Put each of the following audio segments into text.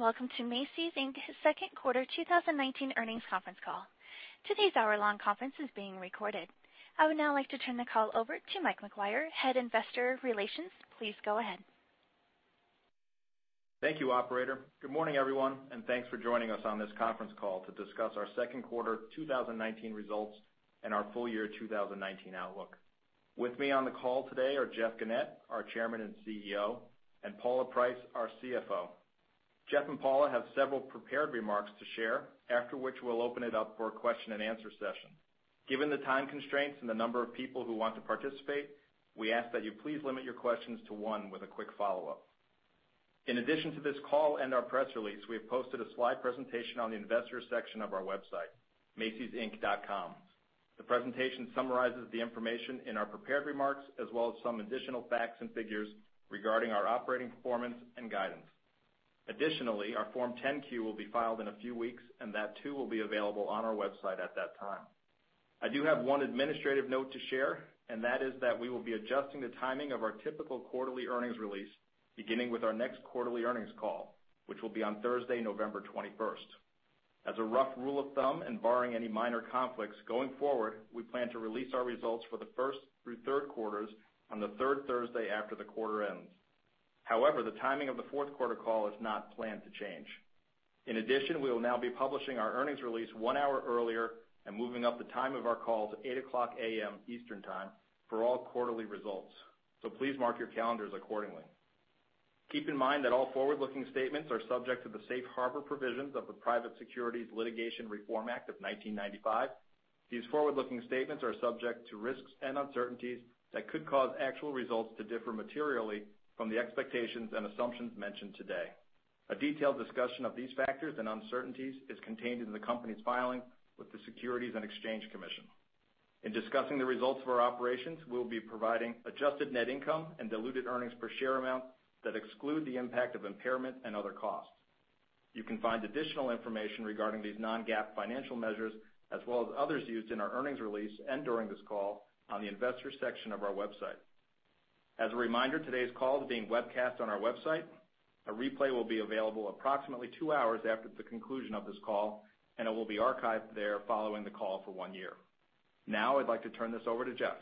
Welcome to Macy's Inc.'s Second Quarter 2019 Earnings Conference Call. Today's hour-long conference is being recorded. I would now like to turn the call over to Mike McGuire, Head Investor Relations. Please go ahead. Thank you, operator. Good morning, everyone, thanks for joining us on this conference call to discuss our second quarter 2019 results and our full year 2019 outlook. With me on the call today are Jeff Gennette, our Chairman and CEO, and Paula Price, our CFO. Jeff and Paula have several prepared remarks to share, after which we'll open it up for a question and answer session. Given the time constraints and the number of people who want to participate, we ask that you please limit your questions to one with a quick follow-up. In addition to this call and our press release, we have posted a slide presentation on the Investors section of our website, macysinc.com. The presentation summarizes the information in our prepared remarks, as well as some additional facts and figures regarding our operating performance and guidance. Additionally, our Form 10-Q will be filed in a few weeks, and that too will be available on our website at that time. I do have one administrative note to share, and that is that we will be adjusting the timing of our typical quarterly earnings release beginning with our next quarterly earnings call, which will be on Thursday, November 21st. As a rough rule of thumb, and barring any minor conflicts, going forward, we plan to release our results for the first through third quarters on the third Thursday after the quarter ends. However, the timing of the fourth quarter call is not planned to change. In addition, we will now be publishing our earnings release one hour earlier and moving up the time of our call to 8:00 A.M. Eastern Time for all quarterly results. Please mark your calendars accordingly. Keep in mind that all forward-looking statements are subject to the safe harbor provisions of the Private Securities Litigation Reform Act of 1995. These forward-looking statements are subject to risks and uncertainties that could cause actual results to differ materially from the expectations and assumptions mentioned today. A detailed discussion of these factors and uncertainties is contained in the company's filing with the Securities and Exchange Commission. In discussing the results of our operations, we'll be providing adjusted net income and diluted earnings per share amount that exclude the impact of impairment and other costs. You can find additional information regarding these non-GAAP financial measures, as well as others used in our earnings release and during this call on the Investors section of our website. As a reminder, today's call is being webcast on our website. A replay will be available approximately two hours after the conclusion of this call. It will be archived there following the call for one year. Now, I'd like to turn this over to Jeff.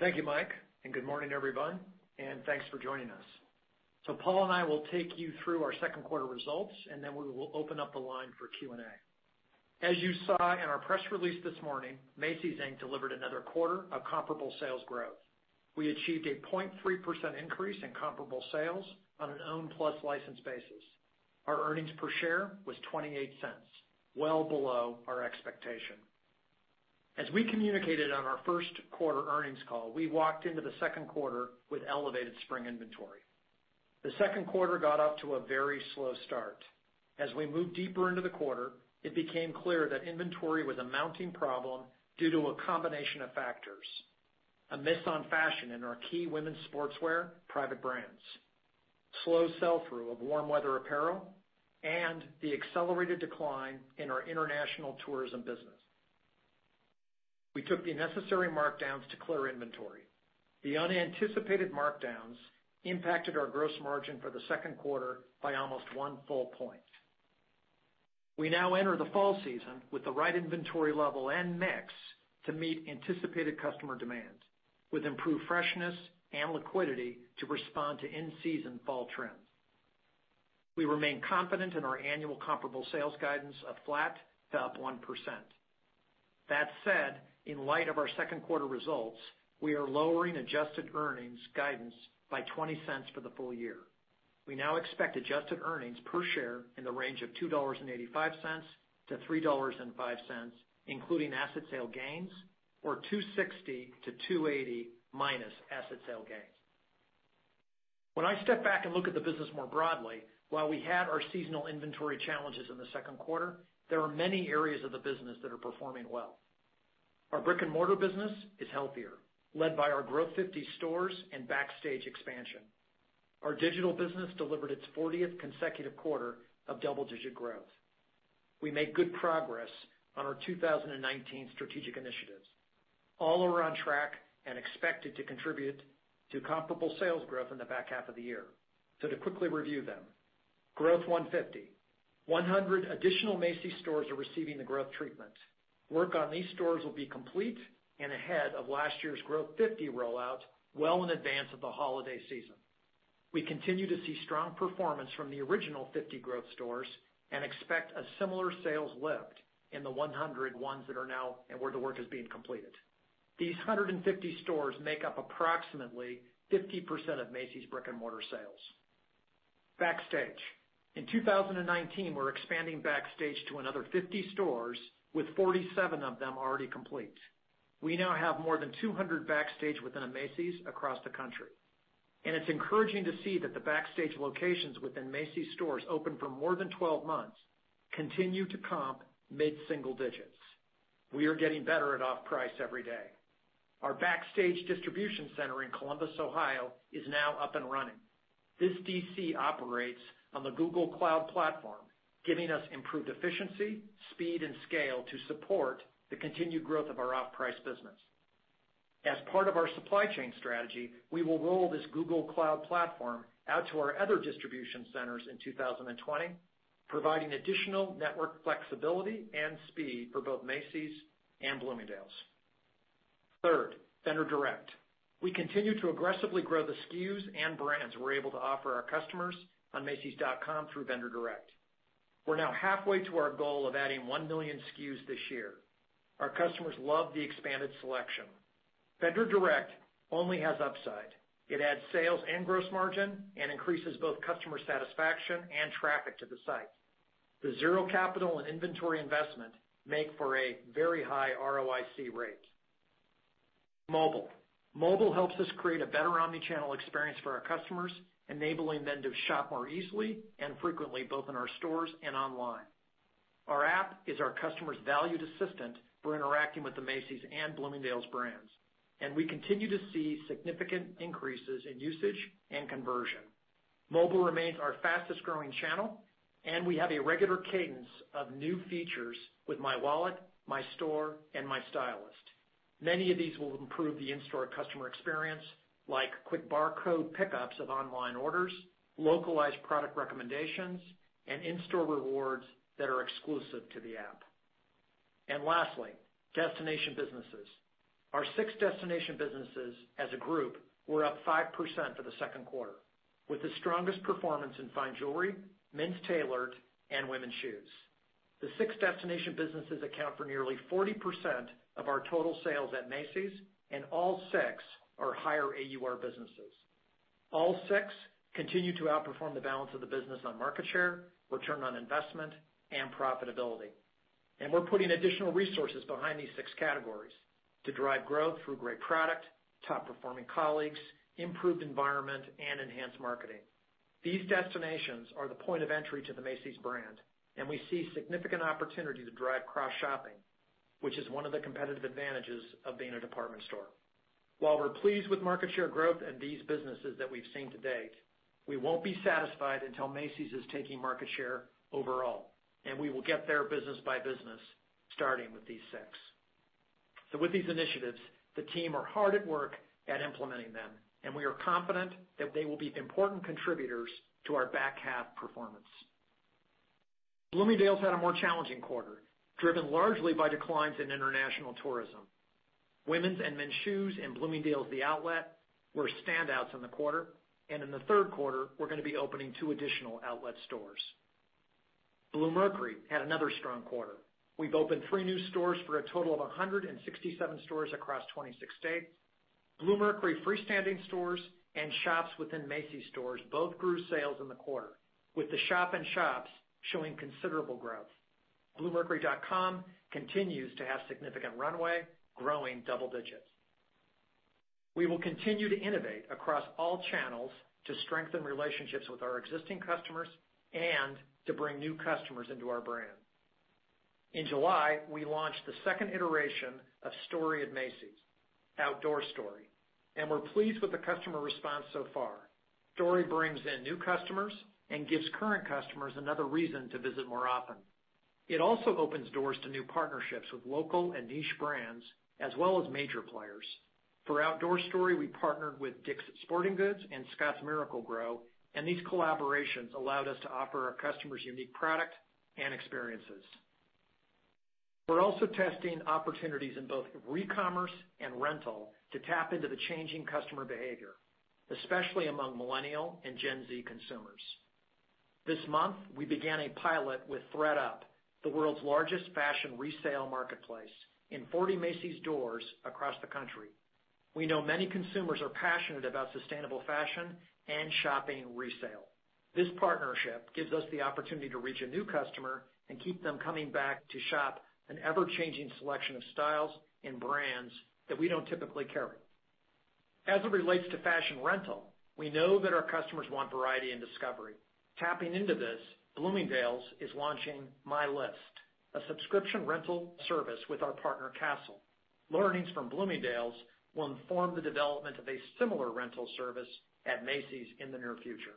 Thank you, Mike, and good morning, everyone, and thanks for joining us. Paula and I will take you through our second quarter results, and then we will open up the line for Q&A. As you saw in our press release this morning, Macy's, Inc. delivered another quarter of comparable sales growth. We achieved a 0.3% increase in comparable sales on an owned plus licensed basis. Our earnings per share was $0.28, well below our expectation. As we communicated on our first quarter earnings call, we walked into the second quarter with elevated spring inventory. The second quarter got off to a very slow start. As we moved deeper into the quarter, it became clear that inventory was a mounting problem due to a combination of factors, a miss on fashion in our key women's sportswear private brands, slow sell-through of warm weather apparel, and the accelerated decline in our international tourism business. We took the necessary markdowns to clear inventory. The unanticipated markdowns impacted our gross margin for the second quarter by almost one full point. We now enter the fall season with the right inventory level and mix to meet anticipated customer demands with improved freshness and liquidity to respond to in-season fall trends. We remain confident in our annual comparable sales guidance of flat to up 1%. In light of our second quarter results, we are lowering adjusted earnings guidance by $0.20 for the full year. We now expect adjusted earnings per share in the range of $2.85-$3.05, including asset sale gains, or $2.60-$2.80, minus asset sale gains. When I step back and look at the business more broadly, while we had our seasonal inventory challenges in the second quarter, there are many areas of the business that are performing well. Our brick-and-mortar business is healthier, led by our Growth 50 stores and Backstage expansion. Our digital business delivered its 40th consecutive quarter of double-digit growth. We made good progress on our 2019 strategic initiatives. All are on track and expected to contribute to comparable sales growth in the back half of the year. To quickly review them, Growth 150. 100 additional Macy's stores are receiving the growth treatment. Work on these stores will be complete and ahead of last year's Growth 50 rollout, well in advance of the holiday season. We continue to see strong performance from the original 50 Growth stores and expect a similar sales lift in the 100 ones that are now and where the work is being completed. These 150 stores make up approximately 50% of Macy's brick-and-mortar sales. Backstage. In 2019, we're expanding Backstage to another 50 stores with 47 of them already complete. We now have more than 200 Backstage within a Macy's across the country. It's encouraging to see that the Backstage locations within Macy's stores open for more than 12 months continue to comp mid-single digits. We are getting better at off-price every day. Our Backstage distribution center in Columbus, Ohio, is now up and running. This DC operates on the Google Cloud platform, giving us improved efficiency, speed, and scale to support the continued growth of our off-price business. As part of our supply chain strategy, we will roll this Google Cloud platform out to our other distribution centers in 2020, providing additional network flexibility and speed for both Macy's and Bloomingdale's. Third, Vendor Direct. We continue to aggressively grow the SKUs and brands we're able to offer our customers on macys.com through Vendor Direct. We're now halfway to our goal of adding 1 million SKUs this year. Our customers love the expanded selection. Vendor Direct only has upside. It adds sales and gross margin and increases both customer satisfaction and traffic to the site. The zero capital and inventory investment make for a very high ROIC rate. Mobile. Mobile helps us create a better omnichannel experience for our customers, enabling them to shop more easily and frequently, both in our stores and online. Our app is our customers' valued assistant for interacting with the Macy's and Bloomingdale's brands, and we continue to see significant increases in usage and conversion. Mobile remains our fastest-growing channel, and we have a regular cadence of new features with My Wallet, My Store, and My Stylist. Many of these will improve the in-store customer experience, like quick barcode pickups of online orders, localized product recommendations, and in-store rewards that are exclusive to the app. Lastly, destination businesses. Our six destination businesses as a group were up 5% for the second quarter, with the strongest performance in fine jewelry, men's tailored, and women's shoes. The six destination businesses account for nearly 40% of our total sales at Macy's, and all six are higher AUR businesses. All six continue to outperform the balance of the business on market share, return on investment, and profitability. We're putting additional resources behind these six categories to drive growth through great product, top-performing colleagues, improved environment, and enhanced marketing. These destinations are the point of entry to the Macy's brand, and we see significant opportunity to drive cross-shopping, which is one of the competitive advantages of being a department store. While we're pleased with market share growth in these businesses that we've seen to date, we won't be satisfied until Macy's is taking market share overall, and we will get there business by business, starting with these six. With these initiatives, the team are hard at work at implementing them, and we are confident that they will be important contributors to our back half performance. Bloomingdale's had a more challenging quarter, driven largely by declines in international tourism. Women's and men's shoes and Bloomingdale's The Outlet were standouts in the quarter, and in the third quarter, we're going to be opening two additional outlet stores. Bluemercury had another strong quarter. We've opened three new stores for a total of 167 stores across 26 states. Bluemercury freestanding stores and shops within Macy's stores both grew sales in the quarter, with the shop and shops showing considerable growth. bluemercury.com continues to have significant runway, growing double digits. We will continue to innovate across all channels to strengthen relationships with our existing customers and to bring new customers into our brand. In July, we launched the second iteration of STORY at Macy's, Outdoor Story, and we're pleased with the customer response so far. STORY brings in new customers and gives current customers another reason to visit more often. It also opens doors to new partnerships with local and niche brands, as well as major players. For Outdoor Story, we partnered with DICK'S Sporting Goods and Scotts Miracle-Gro, and these collaborations allowed us to offer our customers unique product and experiences. We're also testing opportunities in both recommerce and rental to tap into the changing customer behavior, especially among Millennial and Gen Z consumers. This month, we began a pilot with thredUP, the world's largest fashion resale marketplace, in 40 Macy's doors across the country. We know many consumers are passionate about sustainable fashion and shopping resale. This partnership gives us the opportunity to reach a new customer and keep them coming back to shop an ever-changing selection of styles and brands that we don't typically carry. As it relates to fashion rental, we know that our customers want variety and discovery. Tapping into this, Bloomingdale's is launching My List, a subscription rental service with our partner, CaaStle. Learnings from Bloomingdale's will inform the development of a similar rental service at Macy's in the near future.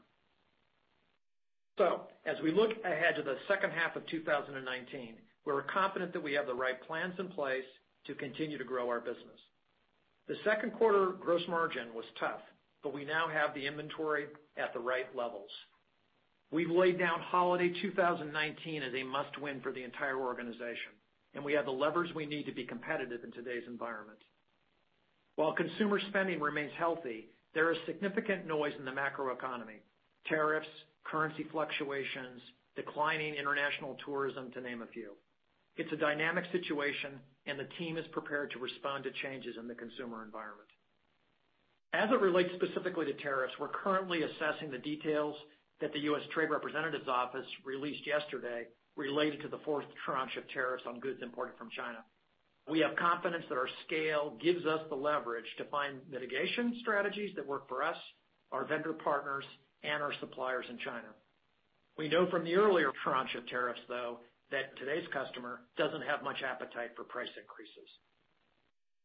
As we look ahead to the second half of 2019, we're confident that we have the right plans in place to continue to grow our business. The second quarter gross margin was tough, but we now have the inventory at the right levels. We've laid down holiday 2019 as a must-win for the entire organization, and we have the levers we need to be competitive in today's environment. While consumer spending remains healthy, there is significant noise in the macroeconomy: tariffs, currency fluctuations, declining international tourism, to name a few. It's a dynamic situation, and the team is prepared to respond to changes in the consumer environment. As it relates specifically to tariffs, we're currently assessing the details that the United States Trade Representative's office released yesterday related to the fourth tranche of tariffs on goods imported from China. We have confidence that our scale gives us the leverage to find mitigation strategies that work for us, our vendor partners, and our suppliers in China. We know from the earlier tranche of tariffs, though, that today's customer doesn't have much appetite for price increases.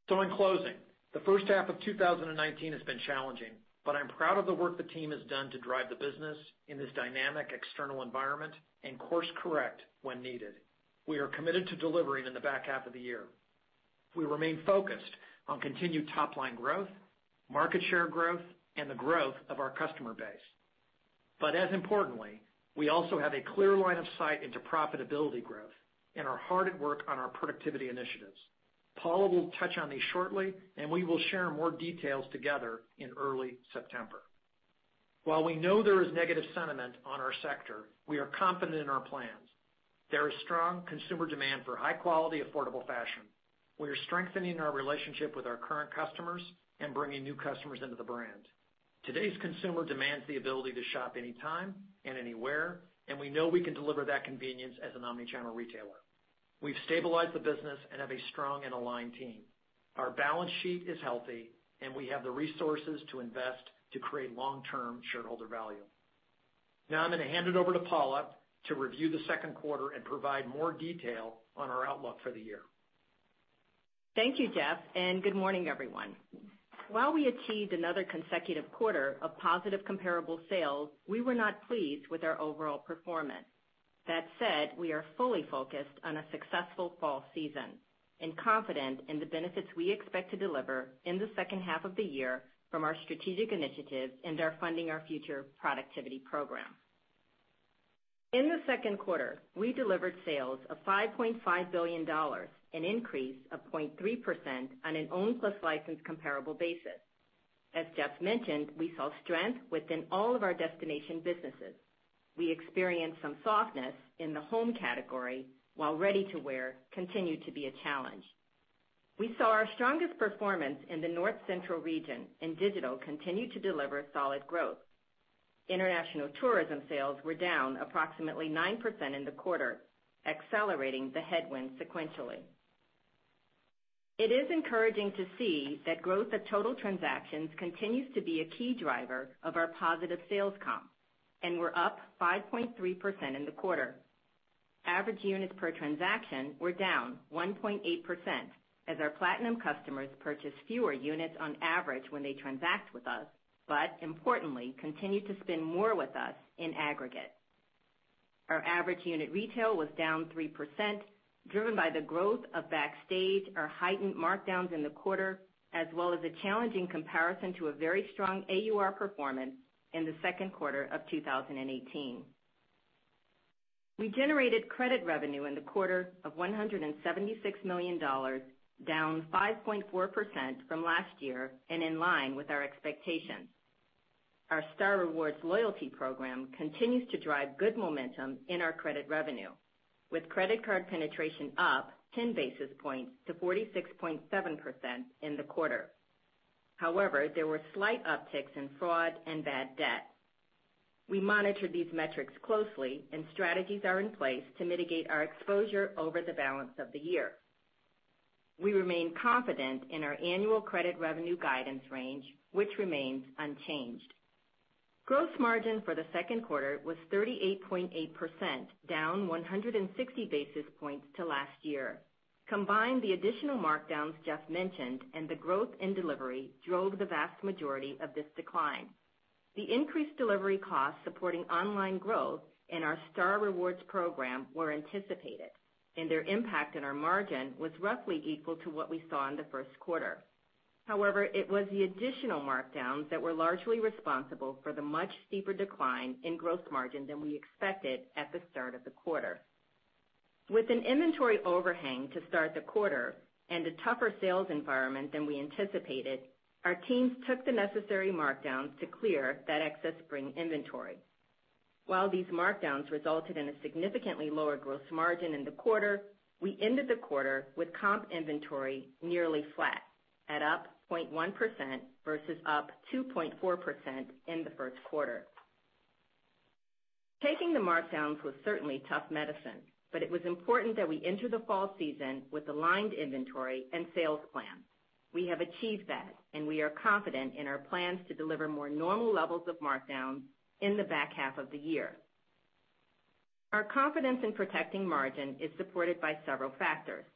In closing, the first half of 2019 has been challenging, but I'm proud of the work the team has done to drive the business in this dynamic external environment and course correct when needed. We are committed to delivering in the back half of the year. We remain focused on continued top-line growth, market share growth, and the growth of our customer base. As importantly, we also have a clear line of sight into profitability growth and are hard at work on our productivity initiatives. Paula will touch on these shortly, and we will share more details together in early September. We know there is negative sentiment on our sector, we are confident in our plans. There is strong consumer demand for high-quality, affordable fashion. We are strengthening our relationship with our current customers and bringing new customers into the brand. Today's consumer demands the ability to shop anytime and anywhere, and we know we can deliver that convenience as an omni-channel retailer. We've stabilized the business and have a strong and aligned team. Our balance sheet is healthy, and we have the resources to invest to create long-term shareholder value. I'm going to hand it over to Paula to review the second quarter and provide more detail on our outlook for the year. Thank you, Jeff, and good morning, everyone. While we achieved another consecutive quarter of positive comparable sales, we were not pleased with our overall performance. That said, we are fully focused on a successful fall season and confident in the benefits we expect to deliver in the second half of the year from our strategic initiatives and our Funding Our Future productivity program. In the second quarter, we delivered sales of $5.5 billion, an increase of 0.3% on an owned plus licensed comparable basis. As Jeff mentioned, we saw strength within all of our destination businesses. We experienced some softness in the home category, while ready-to-wear continued to be a challenge. We saw our strongest performance in the North Central region, and digital continued to deliver solid growth. International tourism sales were down approximately 9% in the quarter, accelerating the headwind sequentially. It is encouraging to see that growth of total transactions continues to be a key driver of our positive sales comp and were up 5.3% in the quarter. Average units per transaction were down 1.8% as our platinum customers purchased fewer units on average when they transact with us, but importantly, continued to spend more with us in aggregate. Our average unit retail was down 3%, driven by the growth of Macy's Backstage, our heightened markdowns in the quarter, as well as a challenging comparison to a very strong AUR performance in the second quarter of 2018. We generated credit revenue in the quarter of $176 million, down 5.4% from last year and in line with our expectations. Our Star Rewards loyalty program continues to drive good momentum in our credit revenue, with credit card penetration up 10 basis points to 46.7% in the quarter. However, there were slight upticks in fraud and bad debt. We monitor these metrics closely, and strategies are in place to mitigate our exposure over the balance of the year. We remain confident in our annual credit revenue guidance range, which remains unchanged. Gross margin for the second quarter was 38.8%, down 160 basis points to last year. Combined, the additional markdowns Jeff mentioned and the growth in delivery drove the vast majority of this decline. The increased delivery costs supporting online growth and our Star Rewards program were anticipated, and their impact on our margin was roughly equal to what we saw in the first quarter. However, it was the additional markdowns that were largely responsible for the much steeper decline in gross margin than we expected at the start of the quarter. With an inventory overhang to start the quarter and a tougher sales environment than we anticipated, our teams took the necessary markdowns to clear that excess spring inventory. While these markdowns resulted in a significantly lower gross margin in the quarter, we ended the quarter with comp inventory nearly flat, at up 0.1% versus up 2.4% in the first quarter. Taking the markdowns was certainly tough medicine, but it was important that we enter the fall season with aligned inventory and sales plan. We have achieved that, and we are confident in our plans to deliver more normal levels of markdowns in the back half of the year. Our confidence in protecting margin is supported by several factors.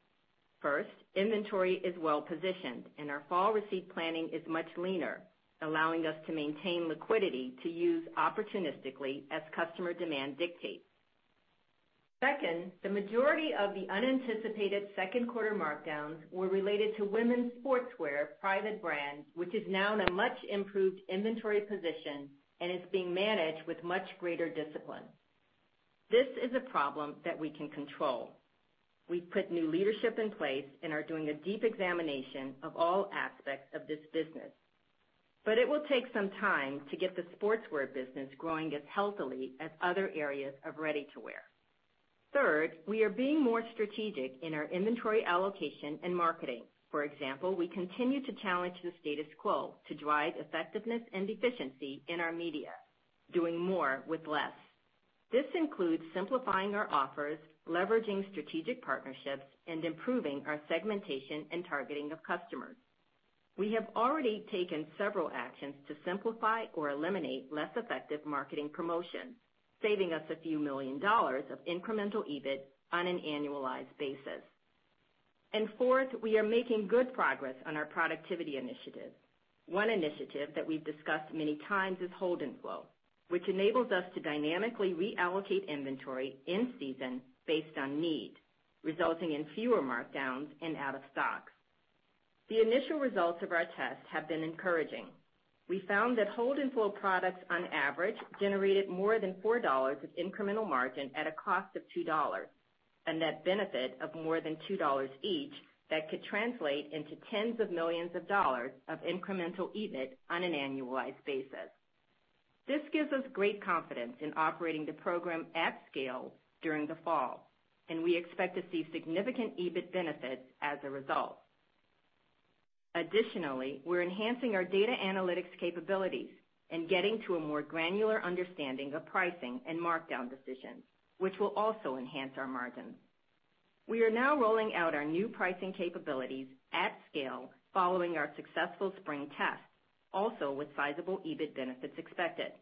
First, inventory is well-positioned, and our fall receipt planning is much leaner, allowing us to maintain liquidity to use opportunistically as customer demand dictates. The majority of the unanticipated second-quarter markdowns were related to women's sportswear private brands, which is now in a much-improved inventory position and is being managed with much greater discipline. This is a problem that we can control. We've put new leadership in place and are doing a deep examination of all aspects of this business. It will take some time to get the sportswear business growing as healthily as other areas of ready-to-wear. We are being more strategic in our inventory allocation and marketing. For example, we continue to challenge the status quo to drive effectiveness and efficiency in our media, doing more with less. This includes simplifying our offers, leveraging strategic partnerships, and improving our segmentation and targeting of customers. We have already taken several actions to simplify or eliminate less effective marketing promotions, saving us a few million dollars of incremental EBIT on an annualized basis. Fourth, we are making good progress on our productivity initiatives. One initiative that we've discussed many times is hold and flow, which enables us to dynamically reallocate inventory in season based on need, resulting in fewer markdowns and out of stocks. The initial results of our test have been encouraging. We found that hold and flow products on average, generated more than $4 of incremental margin at a cost of $2, a net benefit of more than $2 each that could translate into tens of millions of dollars of incremental EBIT on an annualized basis. This gives us great confidence in operating the program at scale during the fall. We expect to see significant EBIT benefits as a result. Additionally, we're enhancing our data analytics capabilities and getting to a more granular understanding of pricing and markdown decisions, which will also enhance our margin. We are now rolling out our new pricing capabilities at scale following our successful spring test, also with sizable EBIT benefits expected.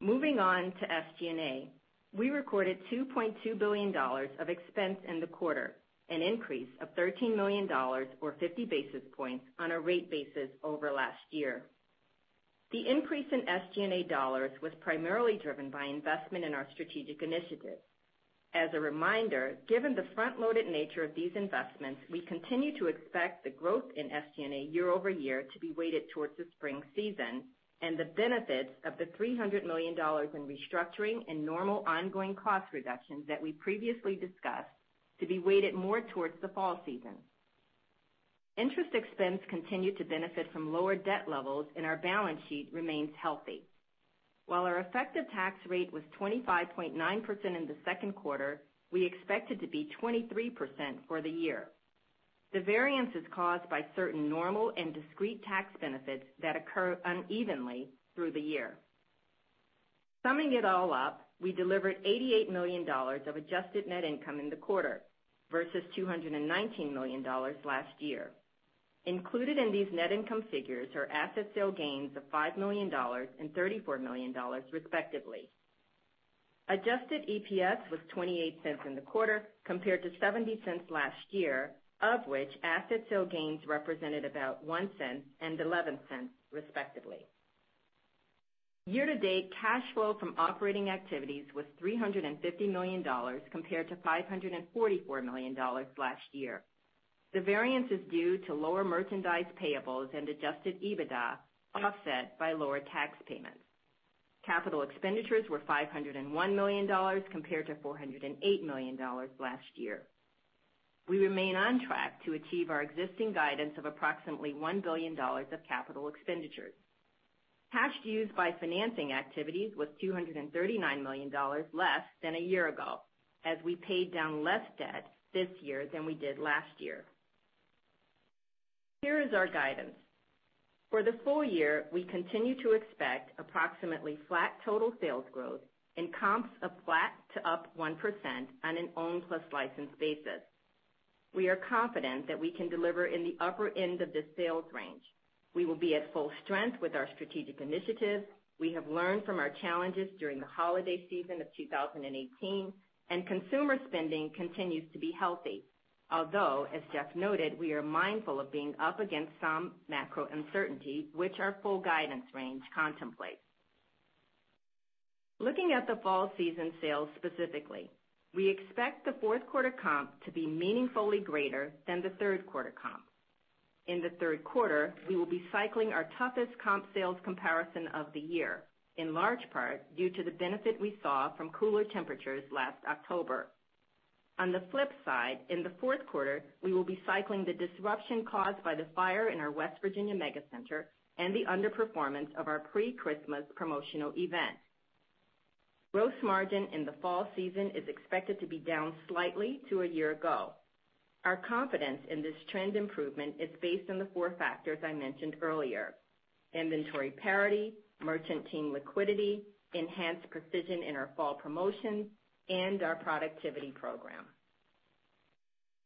Moving on to SG&A. We recorded $2.2 billion of expense in the quarter, an increase of $13 million or 50 basis points on a rate basis over last year. The increase in SG&A dollars was primarily driven by investment in our strategic initiatives. As a reminder, given the front-loaded nature of these investments, we continue to expect the growth in SG&A year-over-year to be weighted towards the spring season, and the benefits of the $300 million in restructuring and normal ongoing cost reductions that we previously discussed, to be weighted more towards the fall season. Interest expense continued to benefit from lower debt levels, and our balance sheet remains healthy. While our effective tax rate was 25.9% in the second quarter, we expect it to be 23% for the year. The variance is caused by certain normal and discrete tax benefits that occur unevenly through the year. Summing it all up, we delivered $88 million of adjusted net income in the quarter versus $219 million last year. Included in these net income figures are asset sale gains of $5 million and $34 million, respectively. Adjusted EPS was $0.28 in the quarter compared to $0.70 last year, of which asset sale gains represented about $0.01 and $0.11, respectively. Year to date, cash flow from operating activities was $350 million compared to $544 million last year. The variance is due to lower merchandise payables and adjusted EBITDA offset by lower tax payments. Capital expenditures were $501 million compared to $408 million last year. We remain on track to achieve our existing guidance of approximately $1 billion of capital expenditures. Cash used by financing activities was $239 million less than a year ago, as we paid down less debt this year than we did last year. Here is our guidance. For the full year, we continue to expect approximately flat total sales growth and comps of flat to up 1% on an owned plus licensed basis. We are confident that we can deliver in the upper end of the sales range. We will be at full strength with our strategic initiatives, we have learned from our challenges during the holiday season of 2018, and consumer spending continues to be healthy. As Jeff noted, we are mindful of being up against some macro uncertainty which our full guidance range contemplates. Looking at the fall season sales specifically, we expect the fourth quarter comp to be meaningfully greater than the third quarter comp. In the third quarter, we will be cycling our toughest comp sales comparison of the year, in large part due to the benefit we saw from cooler temperatures last October. On the flip side, in the fourth quarter, we will be cycling the disruption caused by the fire in our West Virginia mega center and the underperformance of our pre-Christmas promotional event. Gross margin in the fall season is expected to be down slightly to a year ago. Our confidence in this trend improvement is based on the four factors I mentioned earlier: inventory parity, merchant team liquidity, enhanced precision in our fall promotions, and our productivity program.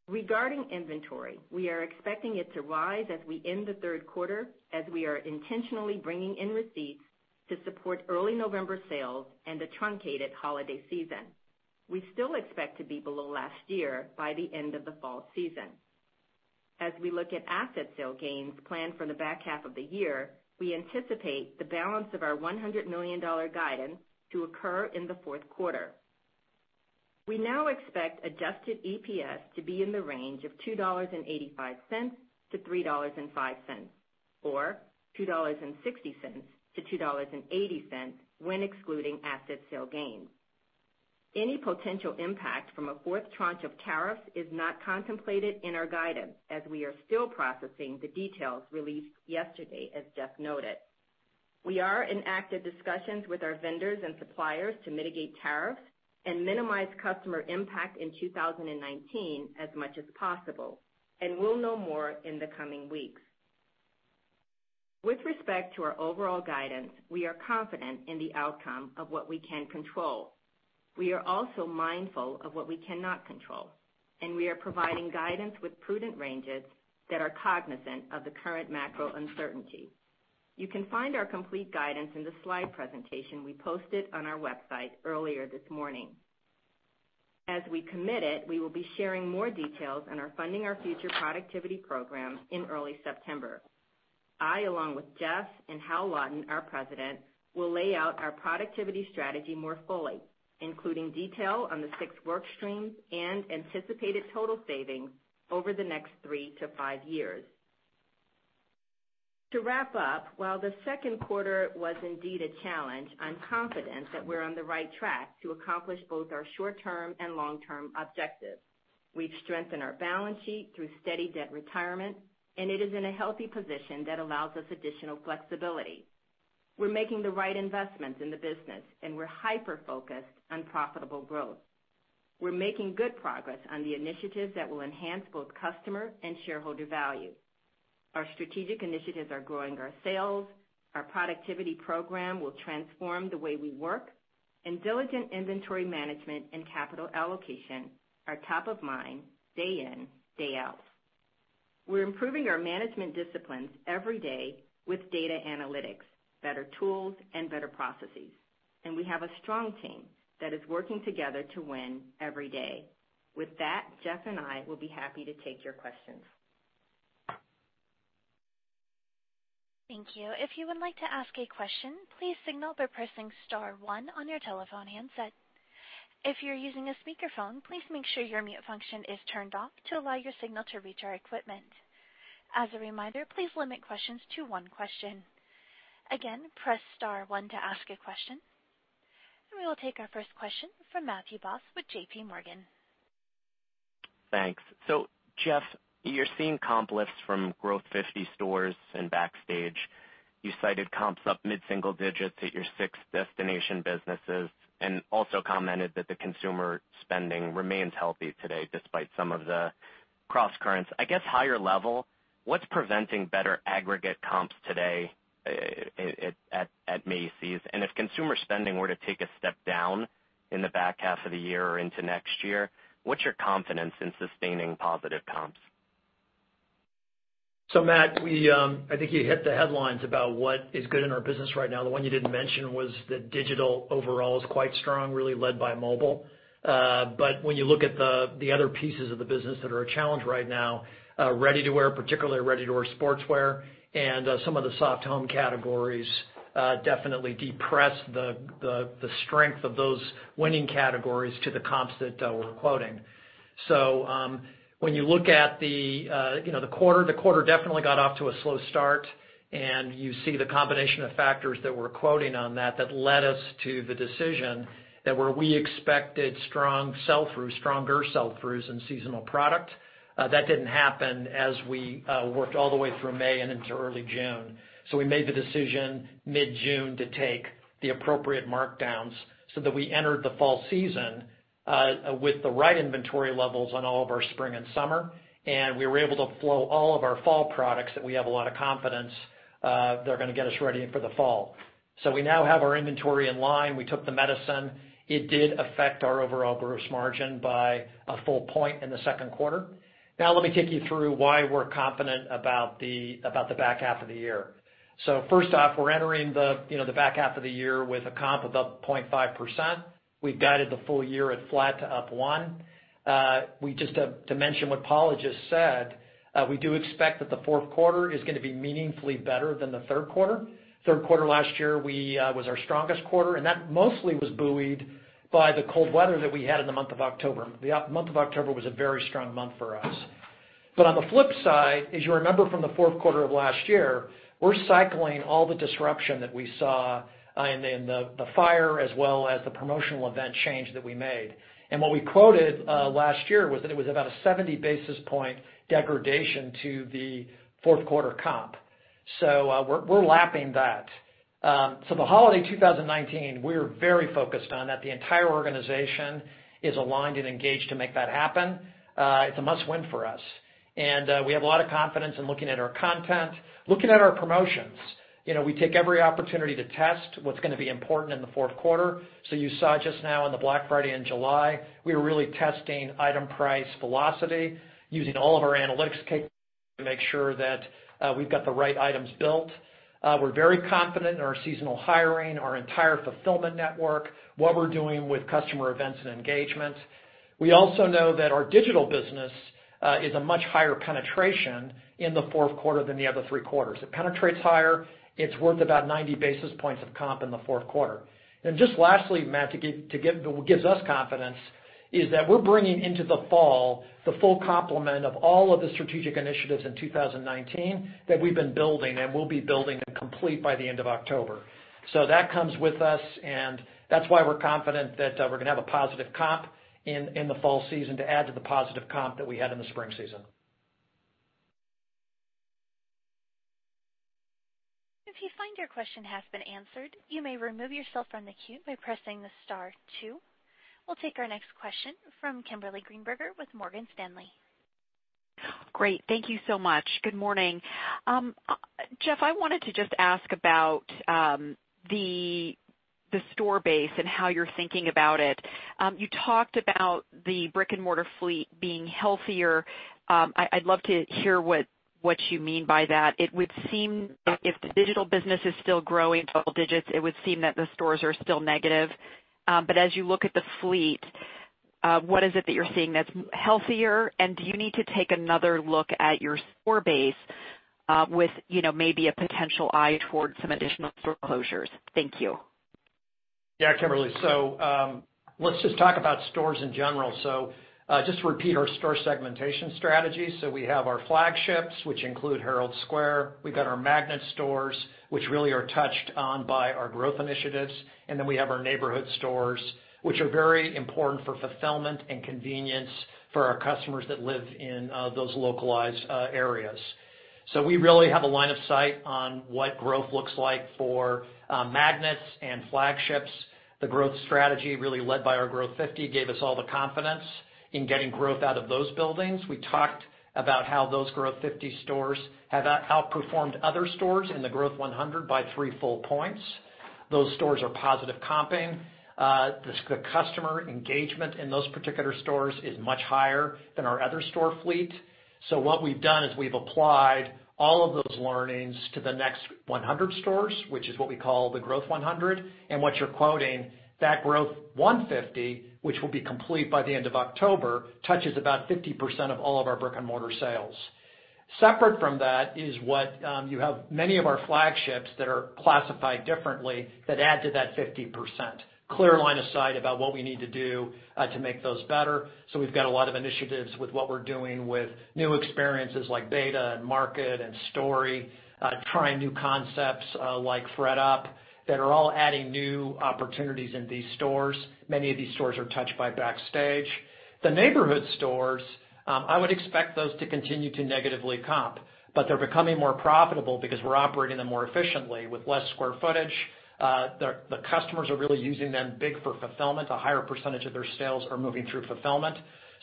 Regarding inventory, we are expecting it to rise as we end the third quarter as we are intentionally bringing in receipts to support early November sales and the truncated holiday season. We still expect to be below last year by the end of the fall season. As we look at asset sale gains planned for the back half of the year, we anticipate the balance of our $100 million guidance to occur in the fourth quarter. We now expect adjusted EPS to be in the range of $2.85-$3.05, or $2.60-$2.80 when excluding asset sale gains. Any potential impact from a fourth tranche of tariffs is not contemplated in our guidance, as we are still processing the details released yesterday, as Jeff noted. We are in active discussions with our vendors and suppliers to mitigate tariffs and minimize customer impact in 2019 as much as possible. We'll know more in the coming weeks. With respect to our overall guidance, we are confident in the outcome of what we can control. We are also mindful of what we cannot control. We are providing guidance with prudent ranges that are cognizant of the current macro uncertainty. You can find our complete guidance in the slide presentation we posted on our website earlier this morning. As we committed, we will be sharing more details on our Funding Our Future productivity program in early September. I, along with Jeff and Hal Lawton, our President, will lay out our productivity strategy more fully, including detail on the six work streams and anticipated total savings over the next three to five years. To wrap up, while the second quarter was indeed a challenge, I'm confident that we're on the right track to accomplish both our short-term and long-term objectives. We've strengthened our balance sheet through steady debt retirement, and it is in a healthy position that allows us additional flexibility. We're making the right investments in the business, and we're hyper-focused on profitable growth. We're making good progress on the initiatives that will enhance both customer and shareholder value. Our strategic initiatives are growing our sales. Our productivity program will transform the way we work. Diligent inventory management and capital allocation are top of mind day in, day out. We're improving our management disciplines every day with data analytics, better tools, and better processes. We have a strong team that is working together to win every day. With that, Jeff and I will be happy to take your questions. Thank you. If you would like to ask a question, please signal by pressing star one on your telephone handset. If you're using a speakerphone, please make sure your mute function is turned off to allow your signal to reach our equipment. As a reminder, please limit questions to one question. Again, press star one to ask a question. We will take our first question from Matthew Boss with JPMorgan. Thanks. Jeff, you're seeing comp lifts from Growth 50 stores and Backstage. You cited comps up mid-single digits at your sixth destination businesses and also commented that the consumer spending remains healthy today despite some of the crosscurrents. I guess, higher level, what's preventing better aggregate comps today at Macy's? If consumer spending were to take a step down in the back half of the year or into next year, what's your confidence in sustaining positive comps? Matt, I think you hit the headlines about what is good in our business right now. The one you didn't mention was that digital overall is quite strong, really led by mobile. When you look at the other pieces of the business that are a challenge right now, ready-to-wear, particularly ready-to-wear sportswear, and some of the soft home categories, definitely depress the strength of those winning categories to the comps that we're quoting. When you look at the quarter, the quarter definitely got off to a slow start, and you see the combination of factors that we're quoting on that led us to the decision that where we expected strong sell-through, stronger sell-throughs in seasonal product. That didn't happen as we worked all the way through May and into early June. We made the decision mid-June to take the appropriate markdowns so that we entered the fall season, with the right inventory levels on all of our spring and summer. We were able to flow all of our fall products that we have a lot of confidence, they're going to get us ready for the fall. We now have our inventory in line. We took the medicine. It did affect our overall gross margin by a full point in the second quarter. Let me take you through why we're confident about the back half of the year. First off, we're entering the back half of the year with a comp of up 0.5%. We've guided the full year at flat to up 1%. To mention what Paula just said, we do expect that the fourth quarter is going to be meaningfully better than the third quarter. Third quarter last year was our strongest quarter, that mostly was buoyed by the cold weather that we had in the month of October. The month of October was a very strong month for us. On the flip side, as you remember from the fourth quarter of last year, we're cycling all the disruption that we saw in the fire as well as the promotional event change that we made. What we quoted last year was that it was about a 70-basis-point degradation to the fourth quarter comp. We're lapping that. The holiday 2019, we're very focused on. The entire organization is aligned and engaged to make that happen. It's a must-win for us. We have a lot of confidence in looking at our content, looking at our promotions. We take every opportunity to test what's going to be important in the fourth quarter. You saw just now in the Black Friday in July, we were really testing item price velocity using all of our analytics capabilities to make sure that we've got the right items built. We're very confident in our seasonal hiring, our entire fulfillment network, what we're doing with customer events and engagements. We also know that our digital business is a much higher penetration in the fourth quarter than the other three quarters. It penetrates higher. It's worth about 90 basis points of comp in the fourth quarter. Just lastly, Matt, what gives us confidence is that we're bringing into the fall the full complement of all of the strategic initiatives in 2019 that we've been building and will be building and complete by the end of October. That comes with us, and that's why we're confident that we're going to have a positive comp in the fall season to add to the positive comp that we had in the spring season. If you find your question has been answered, you may remove yourself from the queue by pressing the star two. We'll take our next question from Kimberly Greenberger with Morgan Stanley. Great. Thank you so much. Good morning. Jeff, I wanted to just ask about the store base and how you're thinking about it. You talked about the brick-and-mortar fleet being healthier. I'd love to hear what you mean by that. It would seem if the digital business is still growing double digits, it would seem that the stores are still negative. As you look at the fleet, what is it that you're seeing that's healthier? Do you need to take another look at your store base, with maybe a potential eye towards some additional store closures? Thank you. Yeah, Kimberly. Let's just talk about stores in general. Just to repeat our store segmentation strategy. We have our flagships, which include Herald Square. We've got our magnet stores, which really are touched on by our growth initiatives. We have our neighborhood stores, which are very important for fulfillment and convenience for our customers that live in those localized areas. We really have a line of sight on what growth looks like for magnets and flagships. The growth strategy really led by our Growth 50, gave us all the confidence in getting growth out of those buildings. We talked about how those Growth 50 stores have outperformed other stores in the Growth 100 by three full points. Those stores are positive comping. The customer engagement in those particular stores is much higher than our other store fleet. What we've done is we've applied all of those learnings to the next 100 stores, which is what we call the Growth 100. What you're quoting, that Growth 150, which will be complete by the end of October, touches about 50% of all of our brick-and-mortar sales. Separate from that is you have many of our flagships that are classified differently that add to that 50%. Clear line of sight about what we need to do to make those better. We've got a lot of initiatives with what we're doing with new experiences like b8ta and Market and STORY, trying new concepts like thredUP, that are all adding new opportunities in these stores. Many of these stores are touched by Backstage. The neighborhood stores, I would expect those to continue to negatively comp, but they're becoming more profitable because we're operating them more efficiently with less square footage. The customers are really using them big for fulfillment. A higher percentage of their sales are moving through fulfillment.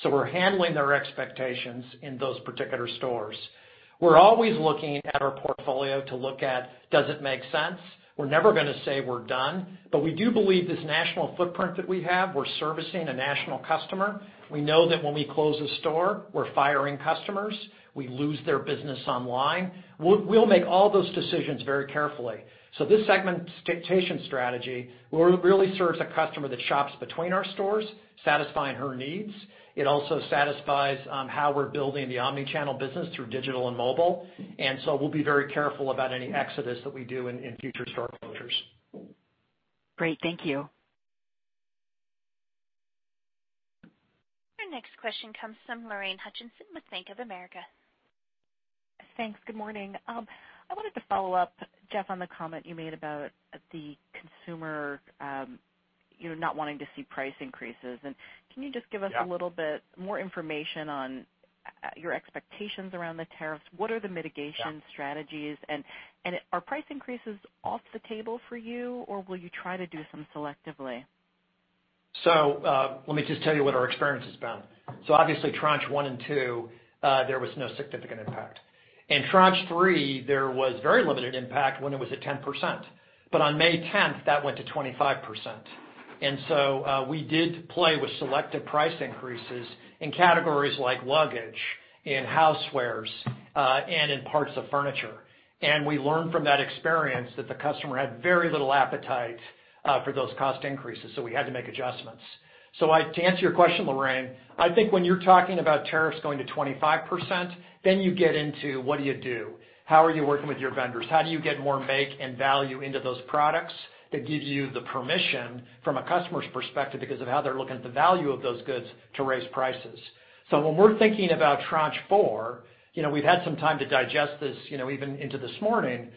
We're handling their expectations in those particular stores. We're always looking at our portfolio to look at, does it make sense? We're never gonna say we're done, but we do believe this national footprint that we have, we're servicing a national customer. We know that when we close a store, we're firing customers. We lose their business online. We'll make all those decisions very carefully. This segmentation strategy really serves a customer that shops between our stores, satisfying her needs. It also satisfies how we're building the omni-channel business through digital and mobile. We'll be very careful about any exodus that we do in future store closures. Great. Thank you. Our next question comes from Lorraine Hutchinson with Bank of America. Thanks. Good morning. I wanted to follow up, Jeff, on the comment you made about the consumer not wanting to see price increases. Can you just give us a little bit more information on your expectations around the tariffs? What are the mitigation strategies? Are price increases off the table for you, or will you try to do some selectively? Let me just tell you what our experience has been. Obviously, tranche one and two, there was no significant impact. In tranche three, there was very limited impact when it was at 10%, but on May 10th, that went to 25%. We did play with selective price increases in categories like luggage, in housewares, and in parts of furniture. We learned from that experience that the customer had very little appetite for those cost increases, so we had to make adjustments. To answer your question, Lorraine, I think when you're talking about tariffs going to 25%, then you get into, what do you do? How are you working with your vendors? How do you get more make and value into those products that gives you the permission from a customer's perspective because of how they're looking at the value of those goods to raise prices? When we're thinking about tranche four, we've had some time to digest this, even into this morning.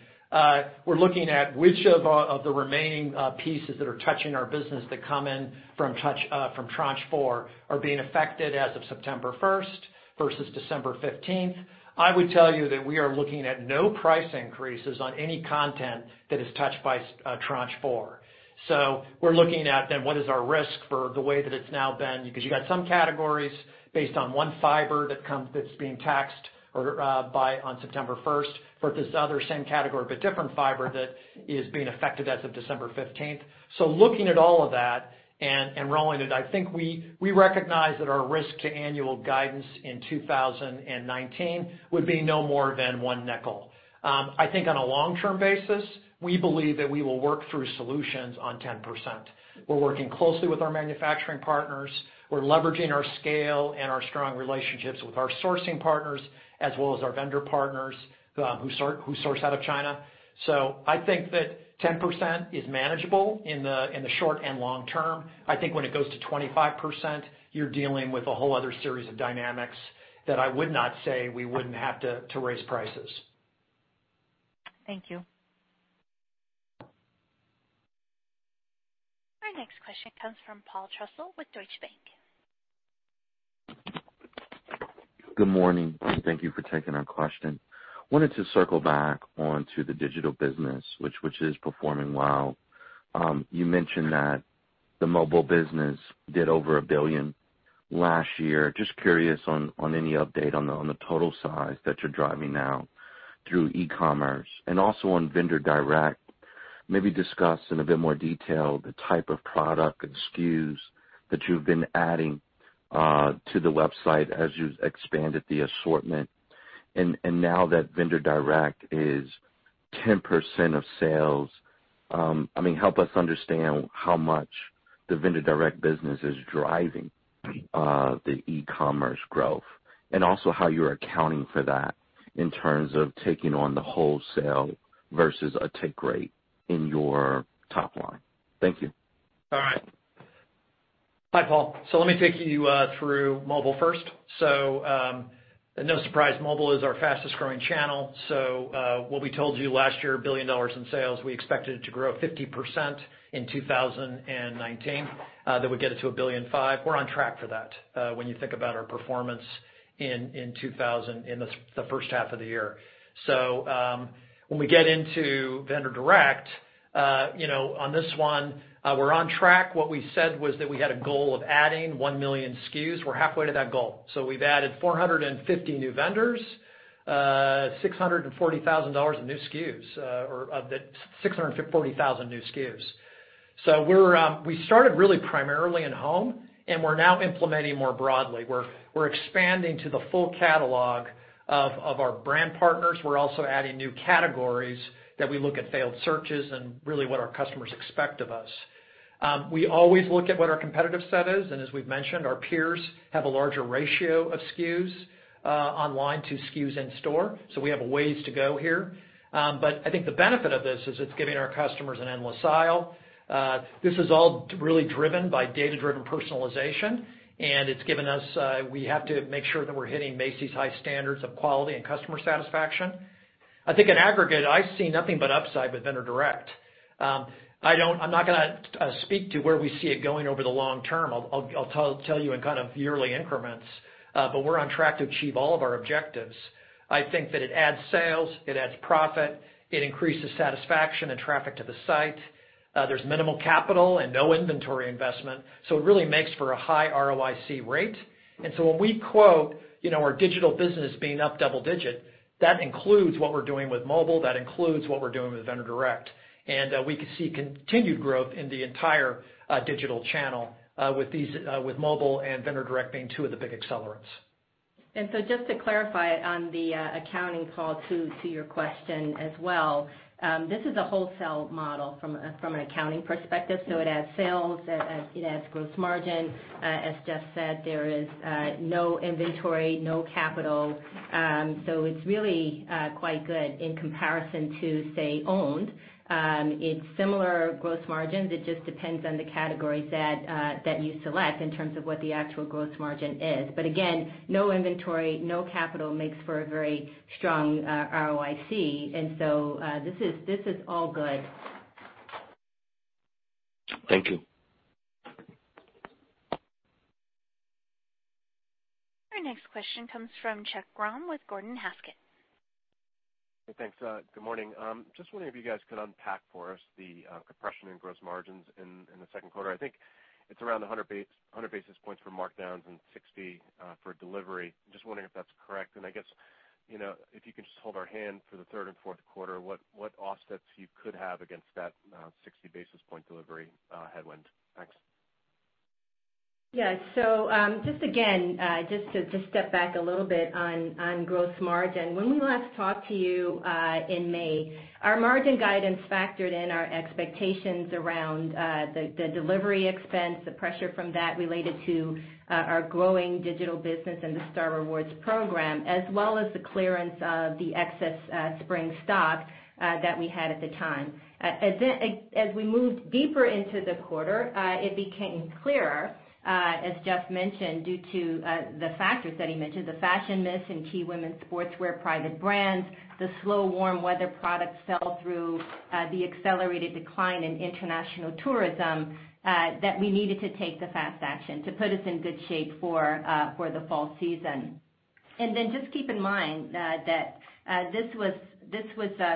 We're looking at which of the remaining pieces that are touching our business that come in from tranche four are being affected as of September 1st versus December 15th. I would tell you that we are looking at no price increases on any content that is touched by tranche four. We're looking at then what is our risk for the way that it's now been, because you got some categories based on one fiber that's being taxed on September 1st, versus other same category but different fiber that is being affected as of December 15th. Looking at all of that and rolling it, I think we recognize that our risk to annual guidance in 2019 would be no more than $0.05. On a long-term basis, we believe that we will work through solutions on 10%. We're working closely with our manufacturing partners. We're leveraging our scale and our strong relationships with our sourcing partners, as well as our vendor partners who source out of China. I think that 10% is manageable in the short and long term. When it goes to 25%, you're dealing with a whole other series of dynamics that I would not say we wouldn't have to raise prices. Thank you. Our next question comes from Paul Trussell with Deutsche Bank. Good morning. Thank you for taking our question. Wanted to circle back onto the digital business, which is performing well. You mentioned that the mobile business did over $1 billion. Last year, just curious on any update on the total size that you're driving now through e-commerce. Also on Vendor Direct, maybe discuss in a bit more detail the type of product and SKUs that you've been adding to the website as you've expanded the assortment. Now that Vendor Direct is 10% of sales, help us understand how much the Vendor Direct business is driving the e-commerce growth. Also how you're accounting for that in terms of taking on the wholesale versus a take rate in your top line. Thank you. All right. Hi, Paul. Let me take you through mobile first. No surprise, mobile is our fastest-growing channel. What we told you last year, $1 billion in sales. We expected it to grow 50% in 2019, that would get it to $1.5 billion. We're on track for that when you think about our performance in the first half of the year. When we get into Vendor Direct, on this one, we're on track. What we said was that we had a goal of adding one million SKUs. We're halfway to that goal. We've added 450 new vendors, 640,000 new SKUs. We started really primarily in home, and we're now implementing more broadly. We're expanding to the full catalog of our brand partners. We're also adding new categories that we look at failed searches and really what our customers expect of us. We always look at what our competitive set is, and as we've mentioned, our peers have a larger ratio of SKUs online to SKUs in store. We have a ways to go here. I think the benefit of this is it's giving our customers an endless aisle. This is all really driven by data-driven personalization, and we have to make sure that we're hitting Macy's high standards of quality and customer satisfaction. I think in aggregate, I see nothing but upside with Vendor Direct. I'm not going to speak to where we see it going over the long term. I'll tell you in kind of yearly increments. We're on track to achieve all of our objectives. I think that it adds sales, it adds profit, it increases satisfaction and traffic to the site. There's minimal capital and no inventory investment, so it really makes for a high ROIC rate. When we quote our digital business being up double-digit, that includes what we're doing with mobile, that includes what we're doing with Vendor Direct. We could see continued growth in the entire digital channel, with mobile and Vendor Direct being two of the big accelerants. Just to clarify on the accounting call too, to your question as well, this is a wholesale model from an accounting perspective. It adds sales, it adds gross margin. As Jeff said, there is no inventory, no capital, so it's really quite good in comparison to, say, owned. It's similar gross margins. It just depends on the categories that you select in terms of what the actual gross margin is. Again, no inventory, no capital makes for a very strong ROIC. This is all good. Thank you. Our next question comes from Chuck Grom with Gordon Haskett. Thanks. Good morning. Just wondering if you guys could unpack for us the compression in gross margins in the second quarter. I think it's around 100 basis points for markdowns and 60 for delivery. Just wondering if that's correct. I guess, if you can just hold our hand for the third and fourth quarter, what offsets you could have against that 60 basis point delivery headwind. Thanks. Yeah. Just again, just to step back a little bit on gross margin. When we last talked to you in May, our margin guidance factored in our expectations around the delivery expense, the pressure from that related to our growing digital business and the Star Rewards program, as well as the clearance of the excess spring stock that we had at the time. As we moved deeper into the quarter, it became clearer, as Jeff mentioned, due to the factors that he mentioned, the fashion miss and key women's sportswear private brands, the slow warm weather product sell-through, the accelerated decline in international tourism, that we needed to take the fast action to put us in good shape for the fall season. Just keep in mind that this was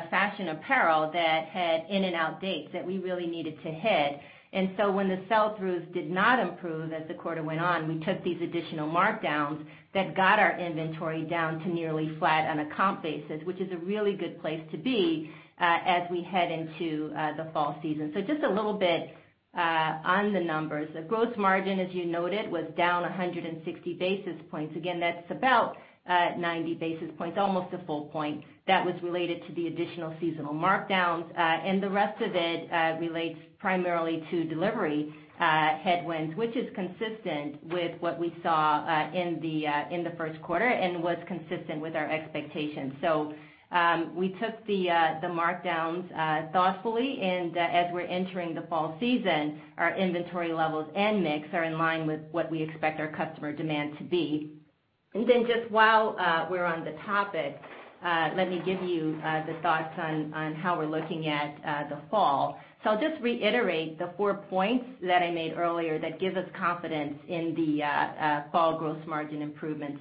fashion apparel that had in and out dates that we really needed to hit. When the sell-throughs did not improve as the quarter went on, we took these additional markdowns that got our inventory down to nearly flat on a comp basis, which is a really good place to be, as we head into the fall season. Just a little bit on the numbers. The gross margin, as you noted, was down 160 basis points. Again, that's about 90 basis points, almost a full point that was related to the additional seasonal markdowns. The rest of it relates primarily to delivery headwinds, which is consistent with what we saw in the first quarter and was consistent with our expectations. We took the markdowns thoughtfully, and as we're entering the fall season, our inventory levels and mix are in line with what we expect our customer demand to be. Just while we're on the topic, let me give you the thoughts on how we're looking at the fall. I'll just reiterate the four points that I made earlier that give us confidence in the fall gross margin improvement.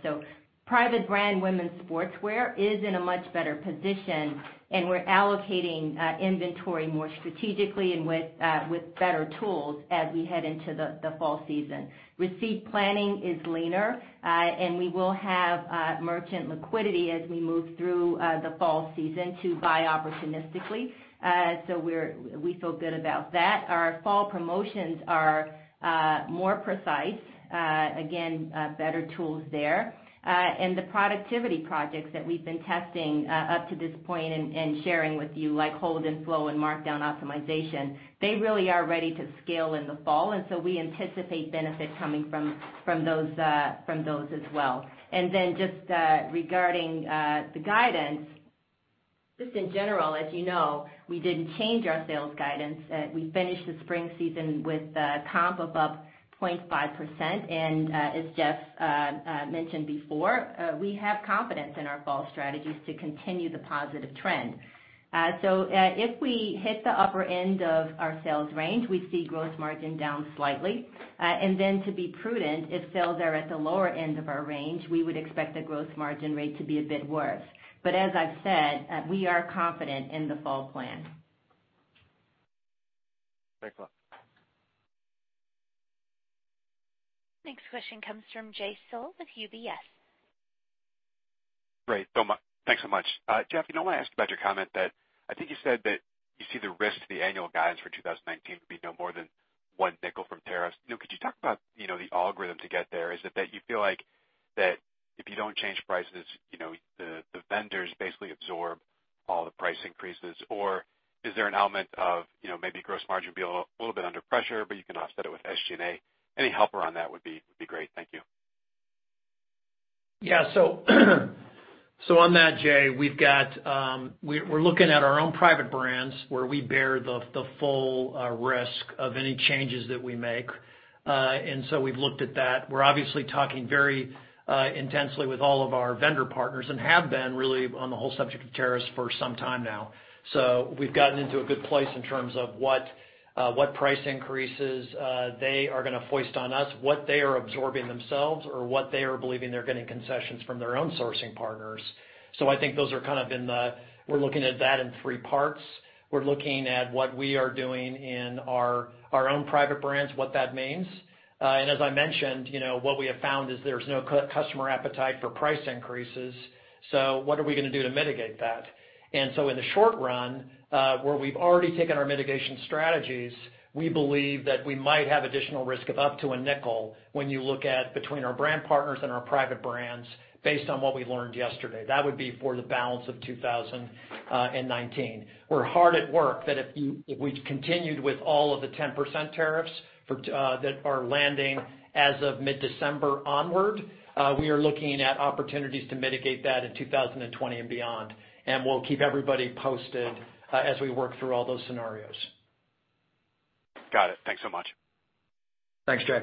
Private brand women's sportswear is in a much better position, and we're allocating inventory more strategically and with better tools as we head into the fall season. Receipt planning is leaner, and we will have merchant liquidity as we move through the fall season to buy opportunistically. We feel good about that. Our fall promotions are more precise. Again, better tools there. The productivity projects that we've been testing up to this point and sharing with you, like hold and flow and markdown optimization, they really are ready to scale in the fall. We anticipate benefit coming from those as well. Regarding the guidance, just in general, as you know, we didn't change our sales guidance. We finished the spring season with a comp above 0.5%, and as Jeff mentioned before, we have confidence in our fall strategies to continue the positive trend. If we hit the upper end of our sales range, we see gross margin down slightly. To be prudent, if sales are at the lower end of our range, we would expect the gross margin rate to be a bit worse. As I've said, we are confident in the fall plan. Thanks a lot. Next question comes from Jay Sole with UBS. Great. Thanks so much. Jeff, I want to ask about your comment that I think you said that you see the risk to the annual guidance for 2019 to be no more than $0.05 from tariffs. Could you talk about the algorithm to get there? Is it that you feel like that if you don't change prices, the vendors basically absorb all the price increases? Or is there an element of maybe gross margin be a little bit under pressure, but you can offset it with SG&A? Any helper on that would be great. Thank you. On that, Jay, we're looking at our own private brands where we bear the full risk of any changes that we make. We've looked at that. We're obviously talking very intensely with all of our vendor partners and have been really on the whole subject of tariffs for some time now. We've gotten into a good place in terms of what price increases they are going to foist on us, what they are absorbing themselves, or what they are believing they're getting concessions from their own sourcing partners. I think we're looking at that in three parts. We're looking at what we are doing in our own private brands, what that means. As I mentioned, what we have found is there's no customer appetite for price increases. What are we going to do to mitigate that? In the short run, where we've already taken our mitigation strategies, we believe that we might have additional risk of up to $0.05 when you look at between our brand partners and our private brands based on what we learned yesterday. That would be for the balance of 2019. We're hard at work that if we continued with all of the 10% tariffs that are landing as of mid-December onward, we are looking at opportunities to mitigate that in 2020 and beyond. We'll keep everybody posted as we work through all those scenarios. Got it. Thanks so much. Thanks, Jay.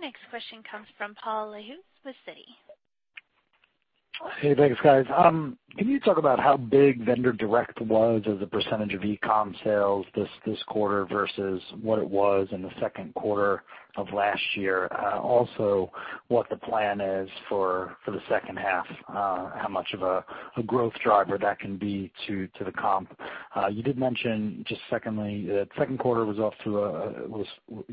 Next question comes from Paul Lejuez with Citi. Hey, thanks guys. Can you talk about how big Vendor Direct was as a percentage of e-com sales this quarter versus what it was in the second quarter of last year? What the plan is for the second half, how much of a growth driver that can be to the comp. You did mention just secondly, that second quarter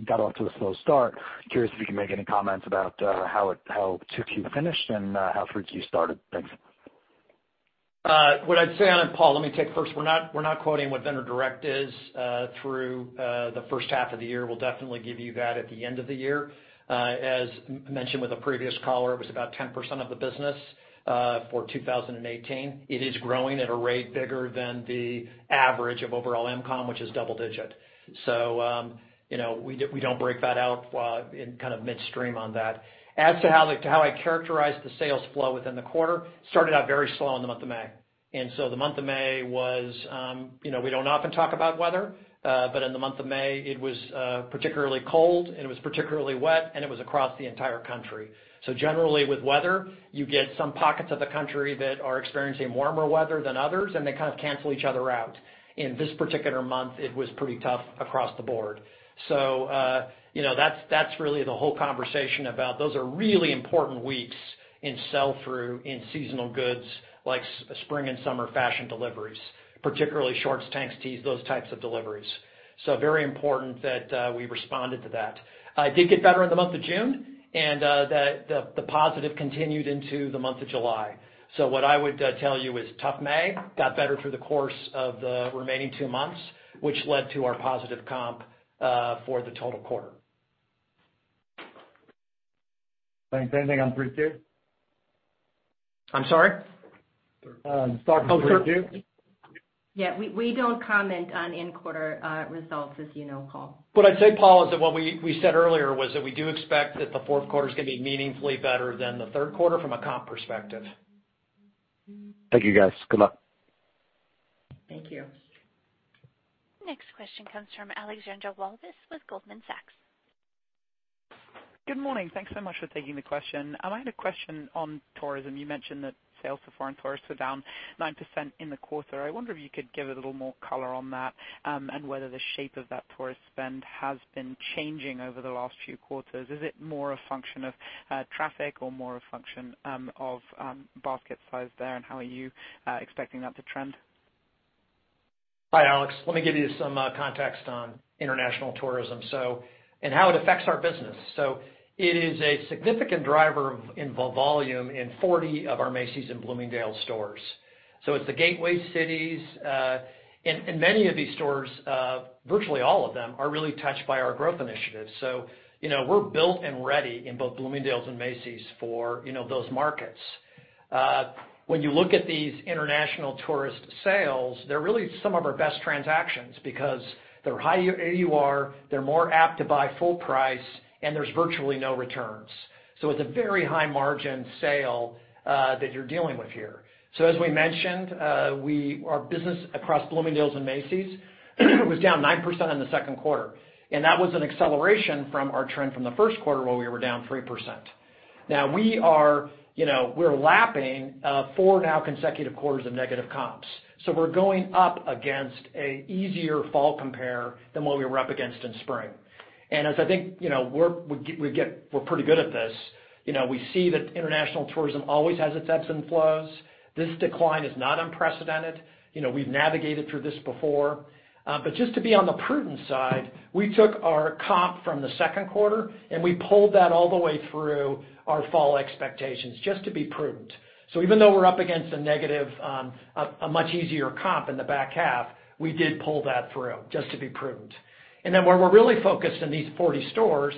got off to a slow start. Curious if you can make any comments about how 2Q finished and how 3Q started. Thanks. What I'd say on it, Paul, let me take first. We're not quoting what Vendor Direct is through the first half of the year. We'll definitely give you that at the end of the year. As mentioned with a previous caller, it was about 10% of the business for 2018. It is growing at a rate bigger than the average of overall MCOM, which is double digit. We don't break that out in midstream on that. As to how I characterize the sales flow within the quarter, started out very slow in the month of May. The month of May, we don't often talk about weather, but in the month of May, it was particularly cold, and it was particularly wet, and it was across the entire country. Generally with weather, you get some pockets of the country that are experiencing warmer weather than others, and they kind of cancel each other out. In this particular month, it was pretty tough across the board. That's really the whole conversation about those are really important weeks in sell-through in seasonal goods like spring and summer fashion deliveries, particularly shorts, tanks, tees, those types of deliveries. Very important that we responded to that. It did get better in the month of June, and the positive continued into the month of July. What I would tell you is tough May, got better through the course of the remaining two months, which led to our positive comp for the total quarter. Thanks. Anything on 3Q? I'm sorry? Talk to 3Q. Yeah, we don't comment on in-quarter results, as you know, Paul. What I'd say, Paul, is that what we said earlier was that we do expect that the fourth quarter is going to be meaningfully better than the third quarter from a comp perspective. Thank you, guys. Good luck. Thank you. Next question comes from Alexandra Walvis with Goldman Sachs. Good morning. Thanks so much for taking the question. I had a question on tourism. You mentioned that sales to foreign tourists are down 9% in the quarter. I wonder if you could give a little more color on that, and whether the shape of that tourist spend has been changing over the last few quarters. Is it more a function of traffic or more a function of basket size there, and how are you expecting that to trend? Hi, Alex. Let me give you some context on international tourism, and how it affects our business. It is a significant driver in volume in 40 of our Macy's and Bloomingdale's stores. It's the gateway cities. Many of these stores, virtually all of them, are really touched by our growth initiatives. We're built and ready in both Bloomingdale's and Macy's for those markets. When you look at these international tourist sales, they're really some of our best transactions because they're high AUR, they're more apt to buy full price, and there's virtually no returns. It's a very high-margin sale that you're dealing with here. As we mentioned, our business across Bloomingdale's and Macy's was down 9% in the second quarter, and that was an acceleration from our trend from the first quarter where we were down 3%. We are lapping four consecutive quarters of negative comps. We're going up against an easier fall compare than what we were up against in spring. As I think, we're pretty good at this. We see that international tourism always has its ebbs and flows. This decline is not unprecedented. We've navigated through this before. Just to be on the prudent side, we took our comp from the second quarter, and we pulled that all the way through our fall expectations, just to be prudent. Even though we're up against a much easier comp in the back half, we did pull that through, just to be prudent. Where we're really focused in these 40 stores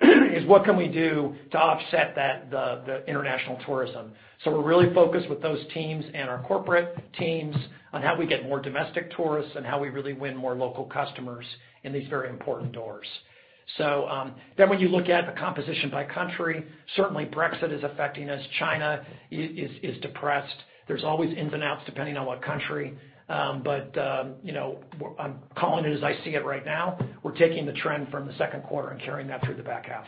is what can we do to offset the international tourism. We're really focused with those teams and our corporate teams on how we get more domestic tourists and how we really win more local customers in these very important doors. When you look at the composition by country, certainly Brexit is affecting us, China is depressed. There's always ins and outs depending on what country. I'm calling it as I see it right now. We're taking the trend from the second quarter and carrying that through the back half.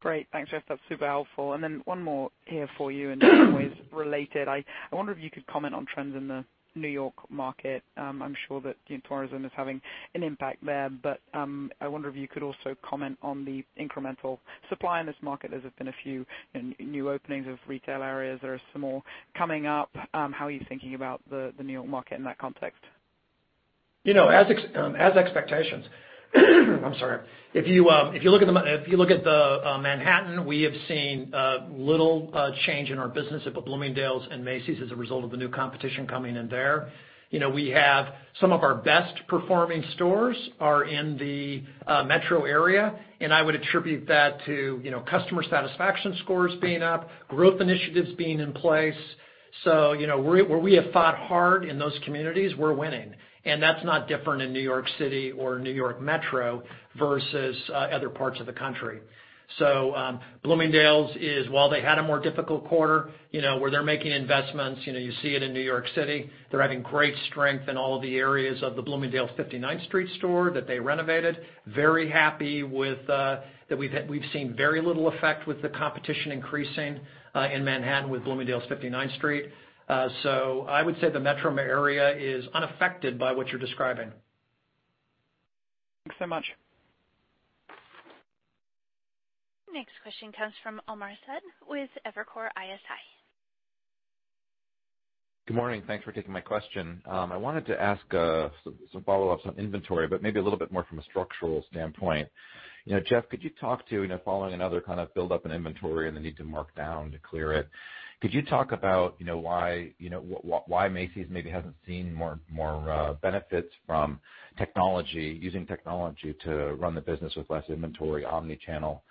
Great. Thanks, Jeff. That's super helpful. One more here for you and in many ways related. I wonder if you could comment on trends in the New York market. I'm sure that tourism is having an impact there, but, I wonder if you could also comment on the incremental supply in this market, as there's been a few new openings of retail areas. There are some more coming up. How are you thinking about the New York market in that context? I'm sorry. If you look at Manhattan, we have seen little change in our business at both Bloomingdale's and Macy's as a result of the new competition coming in there. We have some of our best-performing stores are in the metro area. I would attribute that to customer satisfaction scores being up, growth initiatives being in place. Where we have fought hard in those communities, we're winning. That's not different in New York City or New York Metro versus other parts of the country. Bloomingdale's is, while they had a more difficult quarter, where they're making investments, you see it in New York City. They're having great strength in all of the areas of the Bloomingdale's 59th Street store that they renovated. Very happy with that we've seen very little effect with the competition increasing in Manhattan with Bloomingdale's 59th Street. I would say the metro area is unaffected by what you're describing. Thanks so much. Next question comes from Omar Saad with Evercore ISI. Good morning. Thanks for taking my question. I wanted to ask some follow-ups on inventory, but maybe a little bit more from a structural standpoint. Jeff, could you talk to, following another kind of build-up in inventory and the need to mark down to clear it, could you talk about why Macy's maybe hasn't seen more benefits from using technology to run the business with less inventory, omni-channel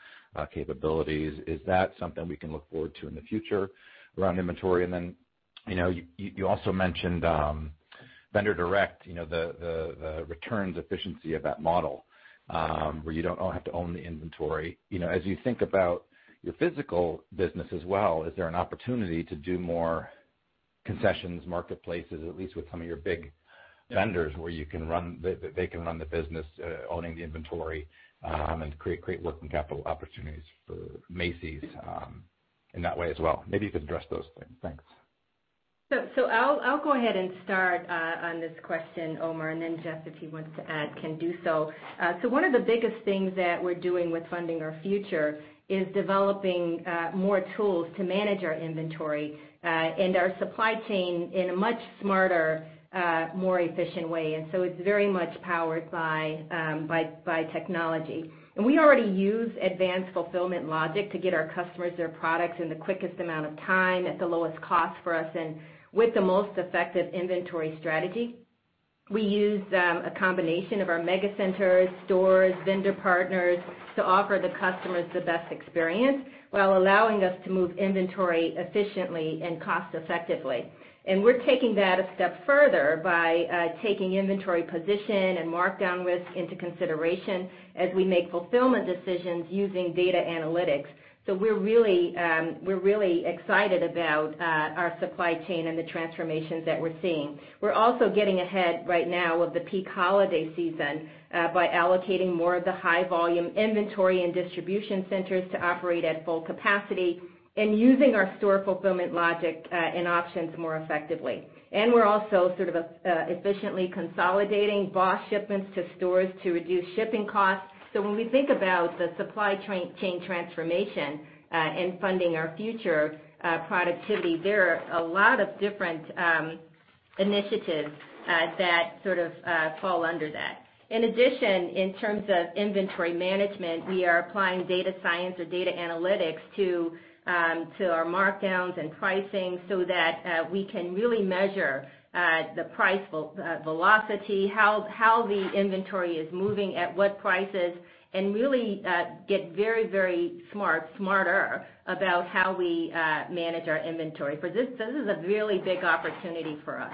capabilities? Is that something we can look forward to in the future around inventory? You also mentioned Vendor Direct, the returns efficiency of that model, where you don't have to own the inventory. As you think about your physical business as well, is there an opportunity to do more concessions, marketplaces, at least with some of your big vendors, where they can run the business owning the inventory, and create great working capital opportunities for Macy's in that way as well? Maybe you can address those things. Thanks. I'll go ahead and start on this question, Omar. Jeff, if he wants to add, can do so. One of the biggest things that we're doing with Funding Our Future is developing more tools to manage our inventory, and our supply chain in a much smarter, more efficient way. It's very much powered by technology. We already use advanced fulfillment logic to get our customers their products in the quickest amount of time at the lowest cost for us and with the most effective inventory strategy. We use a combination of our mega centers, stores, vendor partners to offer the customers the best experience while allowing us to move inventory efficiently and cost effectively. We're taking that a step further by taking inventory position and markdown risk into consideration as we make fulfillment decisions using data analytics. We're really excited about our supply chain and the transformations that we're seeing. We're also getting ahead right now of the peak holiday season by allocating more of the high volume inventory and distribution centers to operate at full capacity and using our store fulfillment logic and options more effectively. We're also efficiently consolidating BOSS shipments to stores to reduce shipping costs. When we think about the supply chain transformation, and Funding Our Future productivity, there are a lot of different initiatives that sort of fall under that. In addition, in terms of inventory management, we are applying data science or data analytics to our markdowns and pricing so that we can really measure the price velocity, how the inventory is moving at what prices, and really get very, very smarter about how we manage our inventory. This is a really big opportunity for us.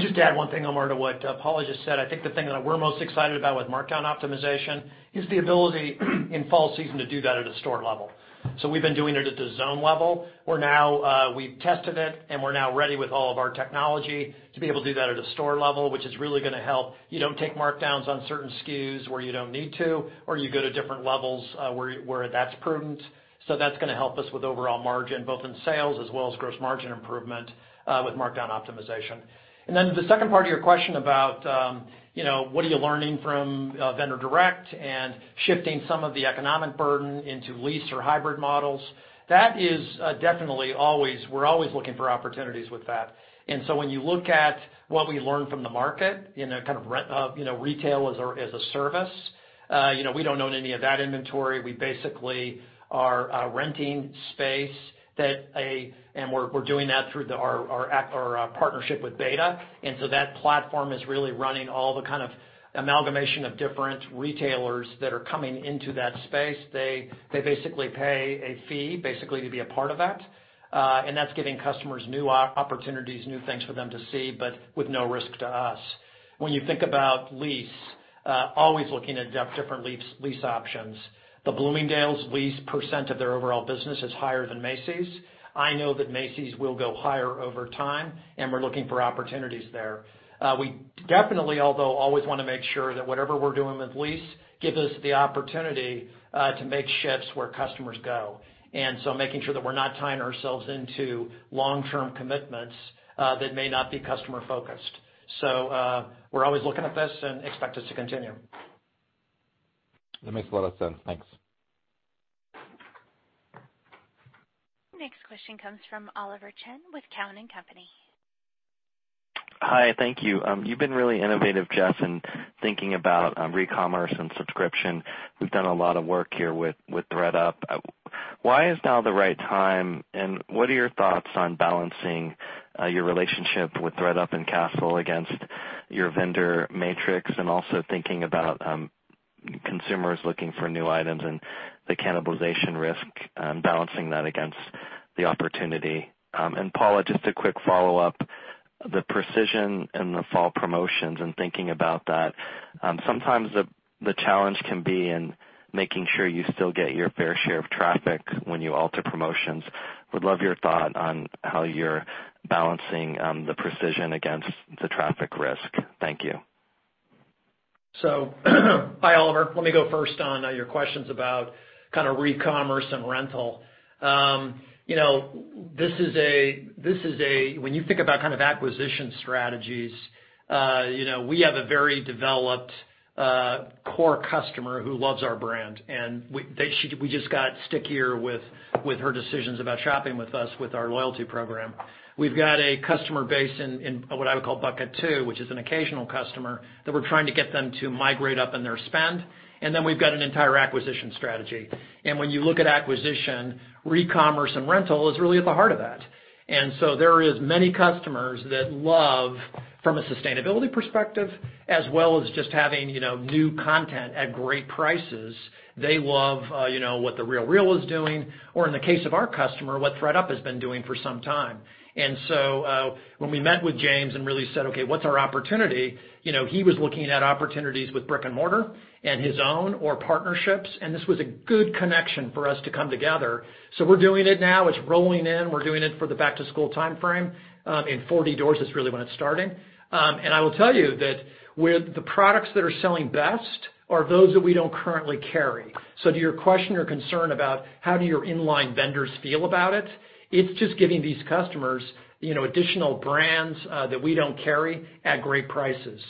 Just to add one thing, Omar, to what Paula just said, I think the thing that we're most excited about with markdown optimization is the ability in fall season to do that at a store level. We've been doing it at the zone level. We've tested it, and we're now ready with all of our technology to be able to do that at a store level, which is really going to help. You don't take markdowns on certain SKUs where you don't need to, or you go to different levels where that's prudent. That's going to help us with overall margin, both in sales as well as gross margin improvement with markdown optimization. The second part of your question about what are you learning from Vendor Direct and shifting some of the economic burden into lease or hybrid models, we're always looking for opportunities with that. When you look at what we learn from the market, kind of retail as a service, we don't own any of that inventory. We basically are renting space, and we're doing that through our partnership with b8ta. That platform is really running all the kind of amalgamation of different retailers that are coming into that space. They basically pay a fee to be a part of that. That's giving customers new opportunities, new things for them to see, but with no risk to us. When you think about lease, always looking at different lease options. The Bloomingdale's lease percent of their overall business is higher than Macy's. I know that Macy's will go higher over time. We're looking for opportunities there. We definitely, although always want to make sure that whatever we're doing with lease gives us the opportunity to make shifts where customers go, making sure that we're not tying ourselves into long-term commitments that may not be customer-focused. We're always looking at this and expect us to continue. That makes a lot of sense. Thanks. Next question comes from Oliver Chen with Cowen and Company. Hi. Thank you. You've been really innovative, Jeff, in thinking about recommerce and subscription. We've done a lot of work here with thredUp. Why is now the right time, and what are your thoughts on balancing your relationship with thredUP and CaaStle against your vendor matrix and also thinking about consumers looking for new items and the cannibalization risk, balancing that against the opportunity? Paula, just a quick follow-up. The precision in the fall promotions and thinking about that. Sometimes the challenge can be in making sure you still get your fair share of traffic when you alter promotions. Would love your thought on how you're balancing the precision against the traffic risk. Thank you. Hi, Oliver. Let me go first on your questions about recommerce and rental. When you think about acquisition strategies, we have a very developed core customer who loves our brand, and we just got stickier with her decisions about shopping with us, with our loyalty program. We've got a customer base in what I would call bucket two, which is an occasional customer, that we're trying to get them to migrate up in their spend. We've got an entire acquisition strategy. When you look at acquisition, recommerce and rental is really at the heart of that. There is many customers that love, from a sustainability perspective, as well as just having new content at great prices. They love what The RealReal is doing, or in the case of our customer, what thredUp has been doing for some time. When we met with James and really said, "Okay, what's our opportunity?" He was looking at opportunities with brick and mortar and his own or partnerships, and this was a good connection for us to come together. We're doing it now. It's rolling in. We're doing it for the back-to-school timeframe. In 40 doors is really when it's starting. I will tell you that the products that are selling best are those that we don't currently carry. To your question or concern about how do your in-line vendors feel about it's just giving these customers additional brands that we don't carry at great prices.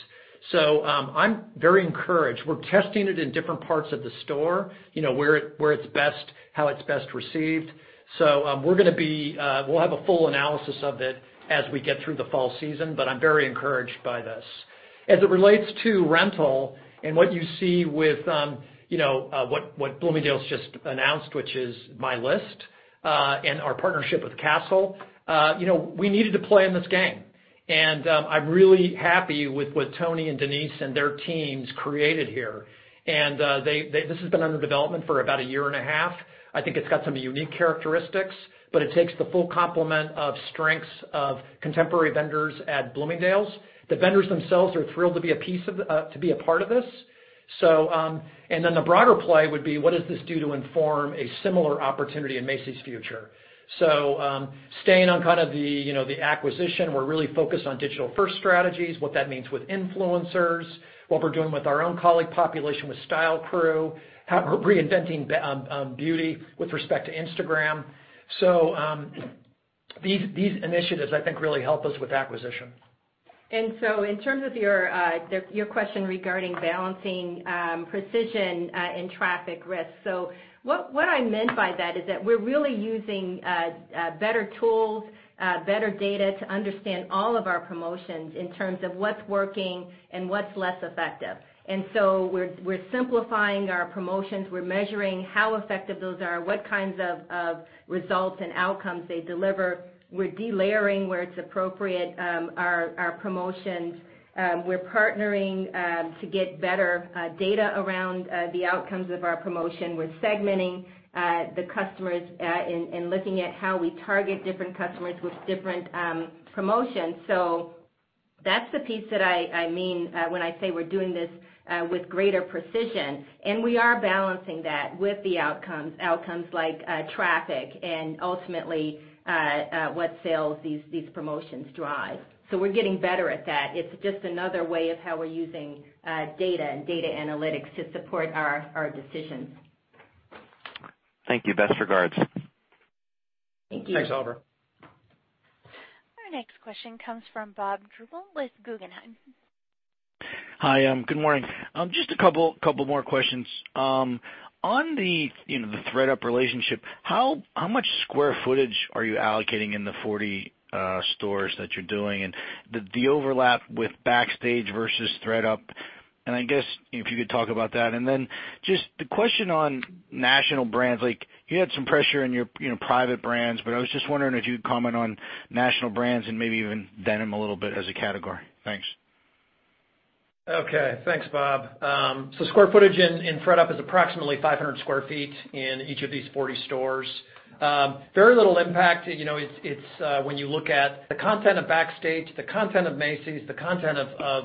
I'm very encouraged. We're testing it in different parts of the store, where it's best, how it's best received. We'll have a full analysis of it as we get through the fall season, but I'm very encouraged by this. As it relates to rental and what you see with what Bloomingdale's just announced, which is My List, and our partnership with CaaStle. We needed to play in this game. I'm really happy with what Tony and Denise and their teams created here. This has been under development for about a year and a half. I think it's got some unique characteristics, but it takes the full complement of strengths of contemporary vendors at Bloomingdale's. The vendors themselves are thrilled to be a part of this. The broader play would be, what does this do to inform a similar opportunity in Macy's future? Staying on kind of the acquisition, we're really focused on digital-first strategies, what that means with influencers, what we're doing with our own colleague population with Style Crew, reinventing beauty with respect to Instagram. These initiatives, I think, really help us with acquisition. In terms of your question regarding balancing precision and traffic risk. What I meant by that is that we're really using better tools, better data to understand all of our promotions in terms of what's working and what's less effective. We're simplifying our promotions. We're measuring how effective those are, what kinds of results and outcomes they deliver. We're delayering where it's appropriate, our promotions. We're partnering to get better data around the outcomes of our promotion. We're segmenting the customers and looking at how we target different customers with different promotions. That's the piece that I mean when I say we're doing this with greater precision, and we are balancing that with the outcomes like traffic and ultimately what sales these promotions drive. We're getting better at that. It's just another way of how we're using data and data analytics to support our decisions. Thank you. Best regards. Thank you. Thanks, Oliver. Our next question comes from Bob Drbul with Guggenheim. Hi, good morning. Just a couple more questions. On the thredUP relationship, how much square footage are you allocating in the 40 stores that you're doing? The overlap with Backstage versus thredUP, and I guess, if you could talk about that. Just the question on national brands. You had some pressure in your private brands, but I was just wondering if you'd comment on national brands and maybe even denim a little bit as a category. Thanks. Thanks, Bob. Square footage in thredUP is approximately 500 sq ft in each of these 40 stores. Very little impact. When you look at the content of Backstage, the content of Macy's, the content of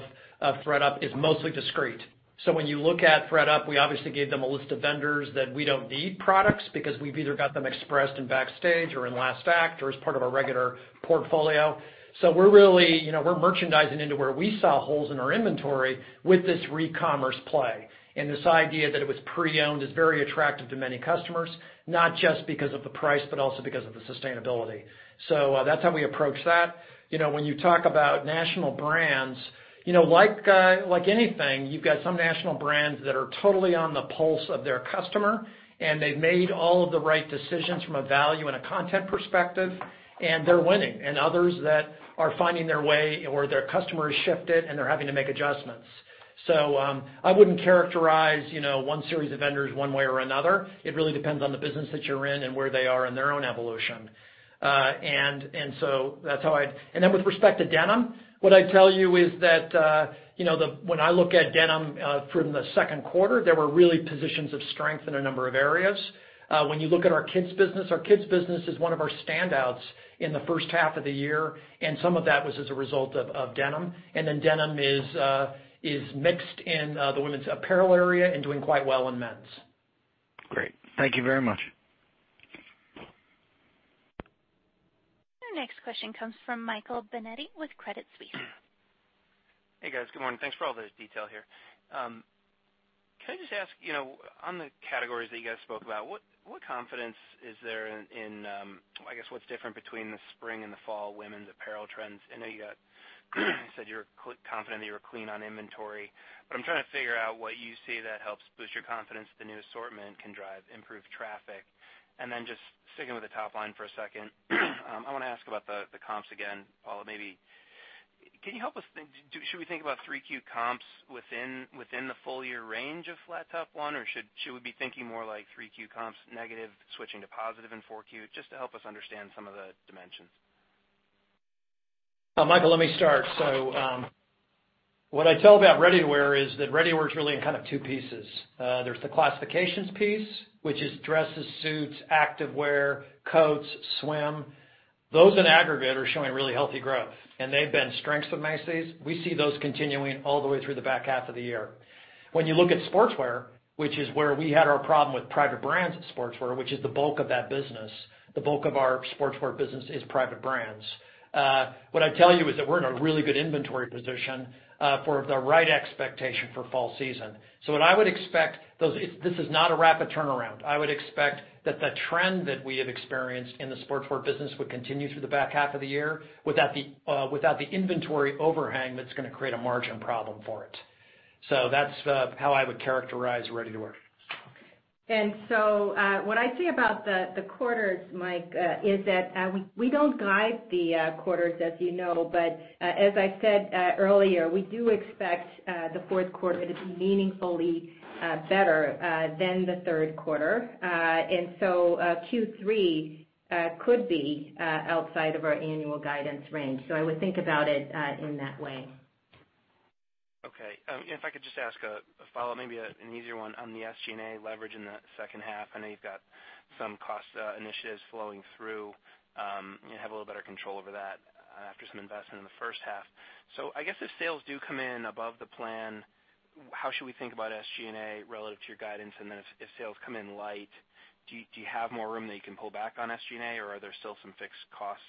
thredUp is mostly discrete. When you look at thredUp, we obviously gave them a list of vendors that we don't need products because we've either got them expressed in Backstage or in Last Act or as part of our regular portfolio. We're merchandising into where we saw holes in our inventory with this re-commerce play. This idea that it was pre-owned is very attractive to many customers, not just because of the price, but also because of the sustainability. That's how we approach that. When you talk about national brands, like anything, you've got some national brands that are totally on the pulse of their customer, and they've made all of the right decisions from a value and a content perspective, and they're winning. Others that are finding their way or their customers shifted, and they're having to make adjustments. I wouldn't characterize one series of vendors one way or another. It really depends on the business that you're in and where they are in their own evolution. Then with respect to denim, what I'd tell you is that when I look at denim from the second quarter, there were really positions of strength in a number of areas. When you look at our kids' business, our kids' business is one of our standouts in the first half of the year, and some of that was as a result of denim. Denim is mixed in the women's apparel area and doing quite well in men's. Great. Thank you very much. Our next question comes from Michael Binetti with Credit Suisse. Hey, guys. Good morning. Thanks for all this detail here. Can I just ask, on the categories that you guys spoke about, what confidence is there? I guess what's different between the spring and the fall women's apparel trends? I know you said you were confident that you were clean on inventory. I'm trying to figure out what you see that helps boost your confidence the new assortment can drive improved traffic. Just sticking with the top line for a second, I want to ask about the comps again, Paula. Can you help us? Should we think about 3Q comps within the full-year range of flat to 1%? Should we be thinking more like 3Q comps negative switching to positive in 4Q? Just to help us understand some of the dimensions. Michael, let me start. What I'd tell about ready-to-wear is that ready-to-wear is really in kind of two pieces. There's the classifications piece, which is dresses, suits, active wear, coats, swim. Those in aggregate are showing really healthy growth, and they've been strengths with Macy's. We see those continuing all the way through the back half of the year. When you look at sportswear, which is where we had our problem with private brands at sportswear, which is the bulk of that business. The bulk of our sportswear business is private brands. What I'd tell you is that we're in a really good inventory position for the right expectation for fall season. What I would expect. This is not a rapid turnaround. I would expect that the trend that we have experienced in the sportswear business would continue through the back half of the year without the inventory overhang that's going to create a margin problem for it. That's how I would characterize ready-to-wear. What I say about the quarters, Mike, is that we don't guide the quarters, as you know. As I said earlier, we do expect the fourth quarter to be meaningfully better than the third quarter. Q3 could be outside of our annual guidance range. I would think about it in that way. Okay. If I could just ask a follow, maybe an easier one on the SG&A leverage in the second half. I know you've got some cost initiatives flowing through. You have a little better control over that after some investment in the first half. I guess if sales do come in above the plan, how should we think about SG&A relative to your guidance? If sales come in light, do you have more room that you can pull back on SG&A, or are there still some fixed costs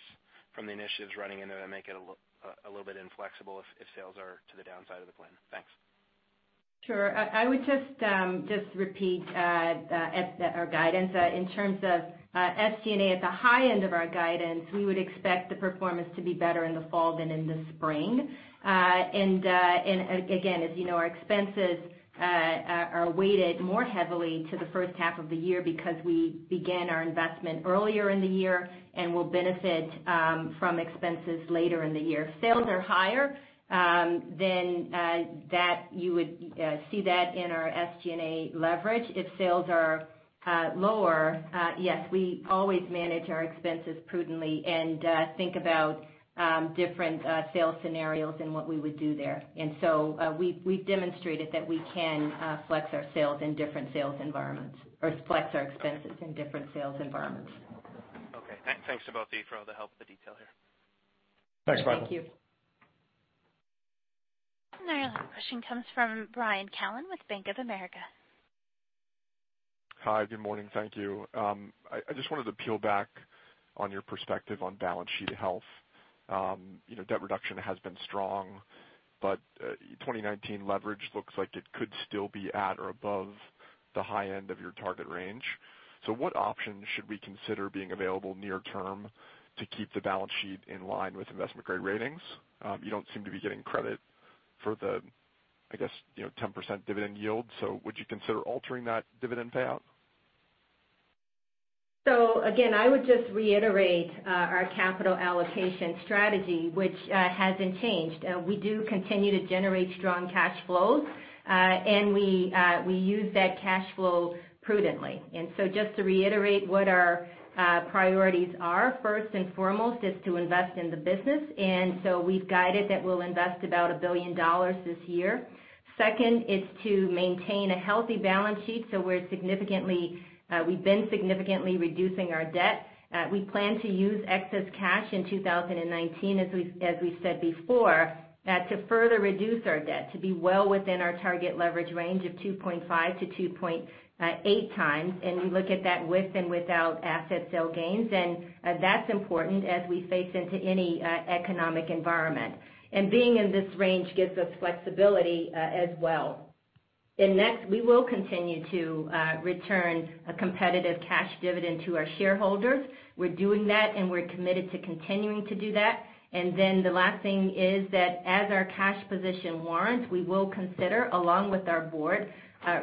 from the initiatives running in there that make it a little bit inflexible if sales are to the downside of the plan? Thanks. Sure. I would just repeat our guidance. In terms of SG&A at the high end of our guidance, we would expect the performance to be better in the fall than in the spring. Again, as you know, our expenses are weighted more heavily to the first half of the year because we began our investment earlier in the year and will benefit from expenses later in the year. If sales are higher, you would see that in our SG&A leverage. If sales are lower, yes, we always manage our expenses prudently and think about different sales scenarios and what we would do there. So we've demonstrated that we can flex our expenses in different sales environments. Okay. Thanks to both of you for all the help with the detail here. Thanks, Michael. Thank you. Our last question comes from Brian Callen with Bank of America. Hi, good morning. Thank you. I just wanted to peel back on your perspective on balance sheet health. Debt reduction has been strong, but 2019 leverage looks like it could still be at or above the high end of your target range. What options should we consider being available near term to keep the balance sheet in line with investment-grade ratings? You don't seem to be getting credit for the, I guess, 10% dividend yield. Would you consider altering that dividend payout? Again, I would just reiterate our capital allocation strategy, which hasn't changed. We do continue to generate strong cash flows, and we use that cash flow prudently. Just to reiterate what our priorities are, first and foremost is to invest in the business. We've guided that we'll invest about $1 billion this year. Second is to maintain a healthy balance sheet, so we've been significantly reducing our debt. We plan to use excess cash in 2019, as we said before, to further reduce our debt, to be well within our target leverage range of 2.5-2.8x. We look at that with and without asset sale gains, and that's important as we face into any economic environment. Being in this range gives us flexibility as well. Next, we will continue to return a competitive cash dividend to our shareholders. We're doing that, and we're committed to continuing to do that. The last thing is that as our cash position warrants, we will consider, along with our board,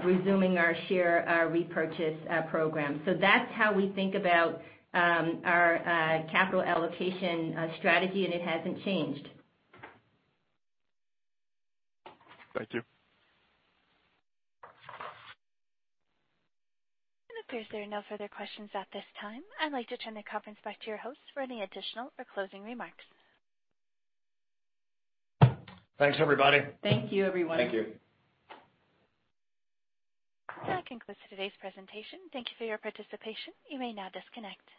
resuming our share repurchase program. That's how we think about our capital allocation strategy, and it hasn't changed. Thank you. It appears there are no further questions at this time. I'd like to turn the conference back to your host for any additional or closing remarks. Thanks, everybody. Thank you, everyone. Thank you. That concludes today's presentation. Thank you for your participation. You may now disconnect.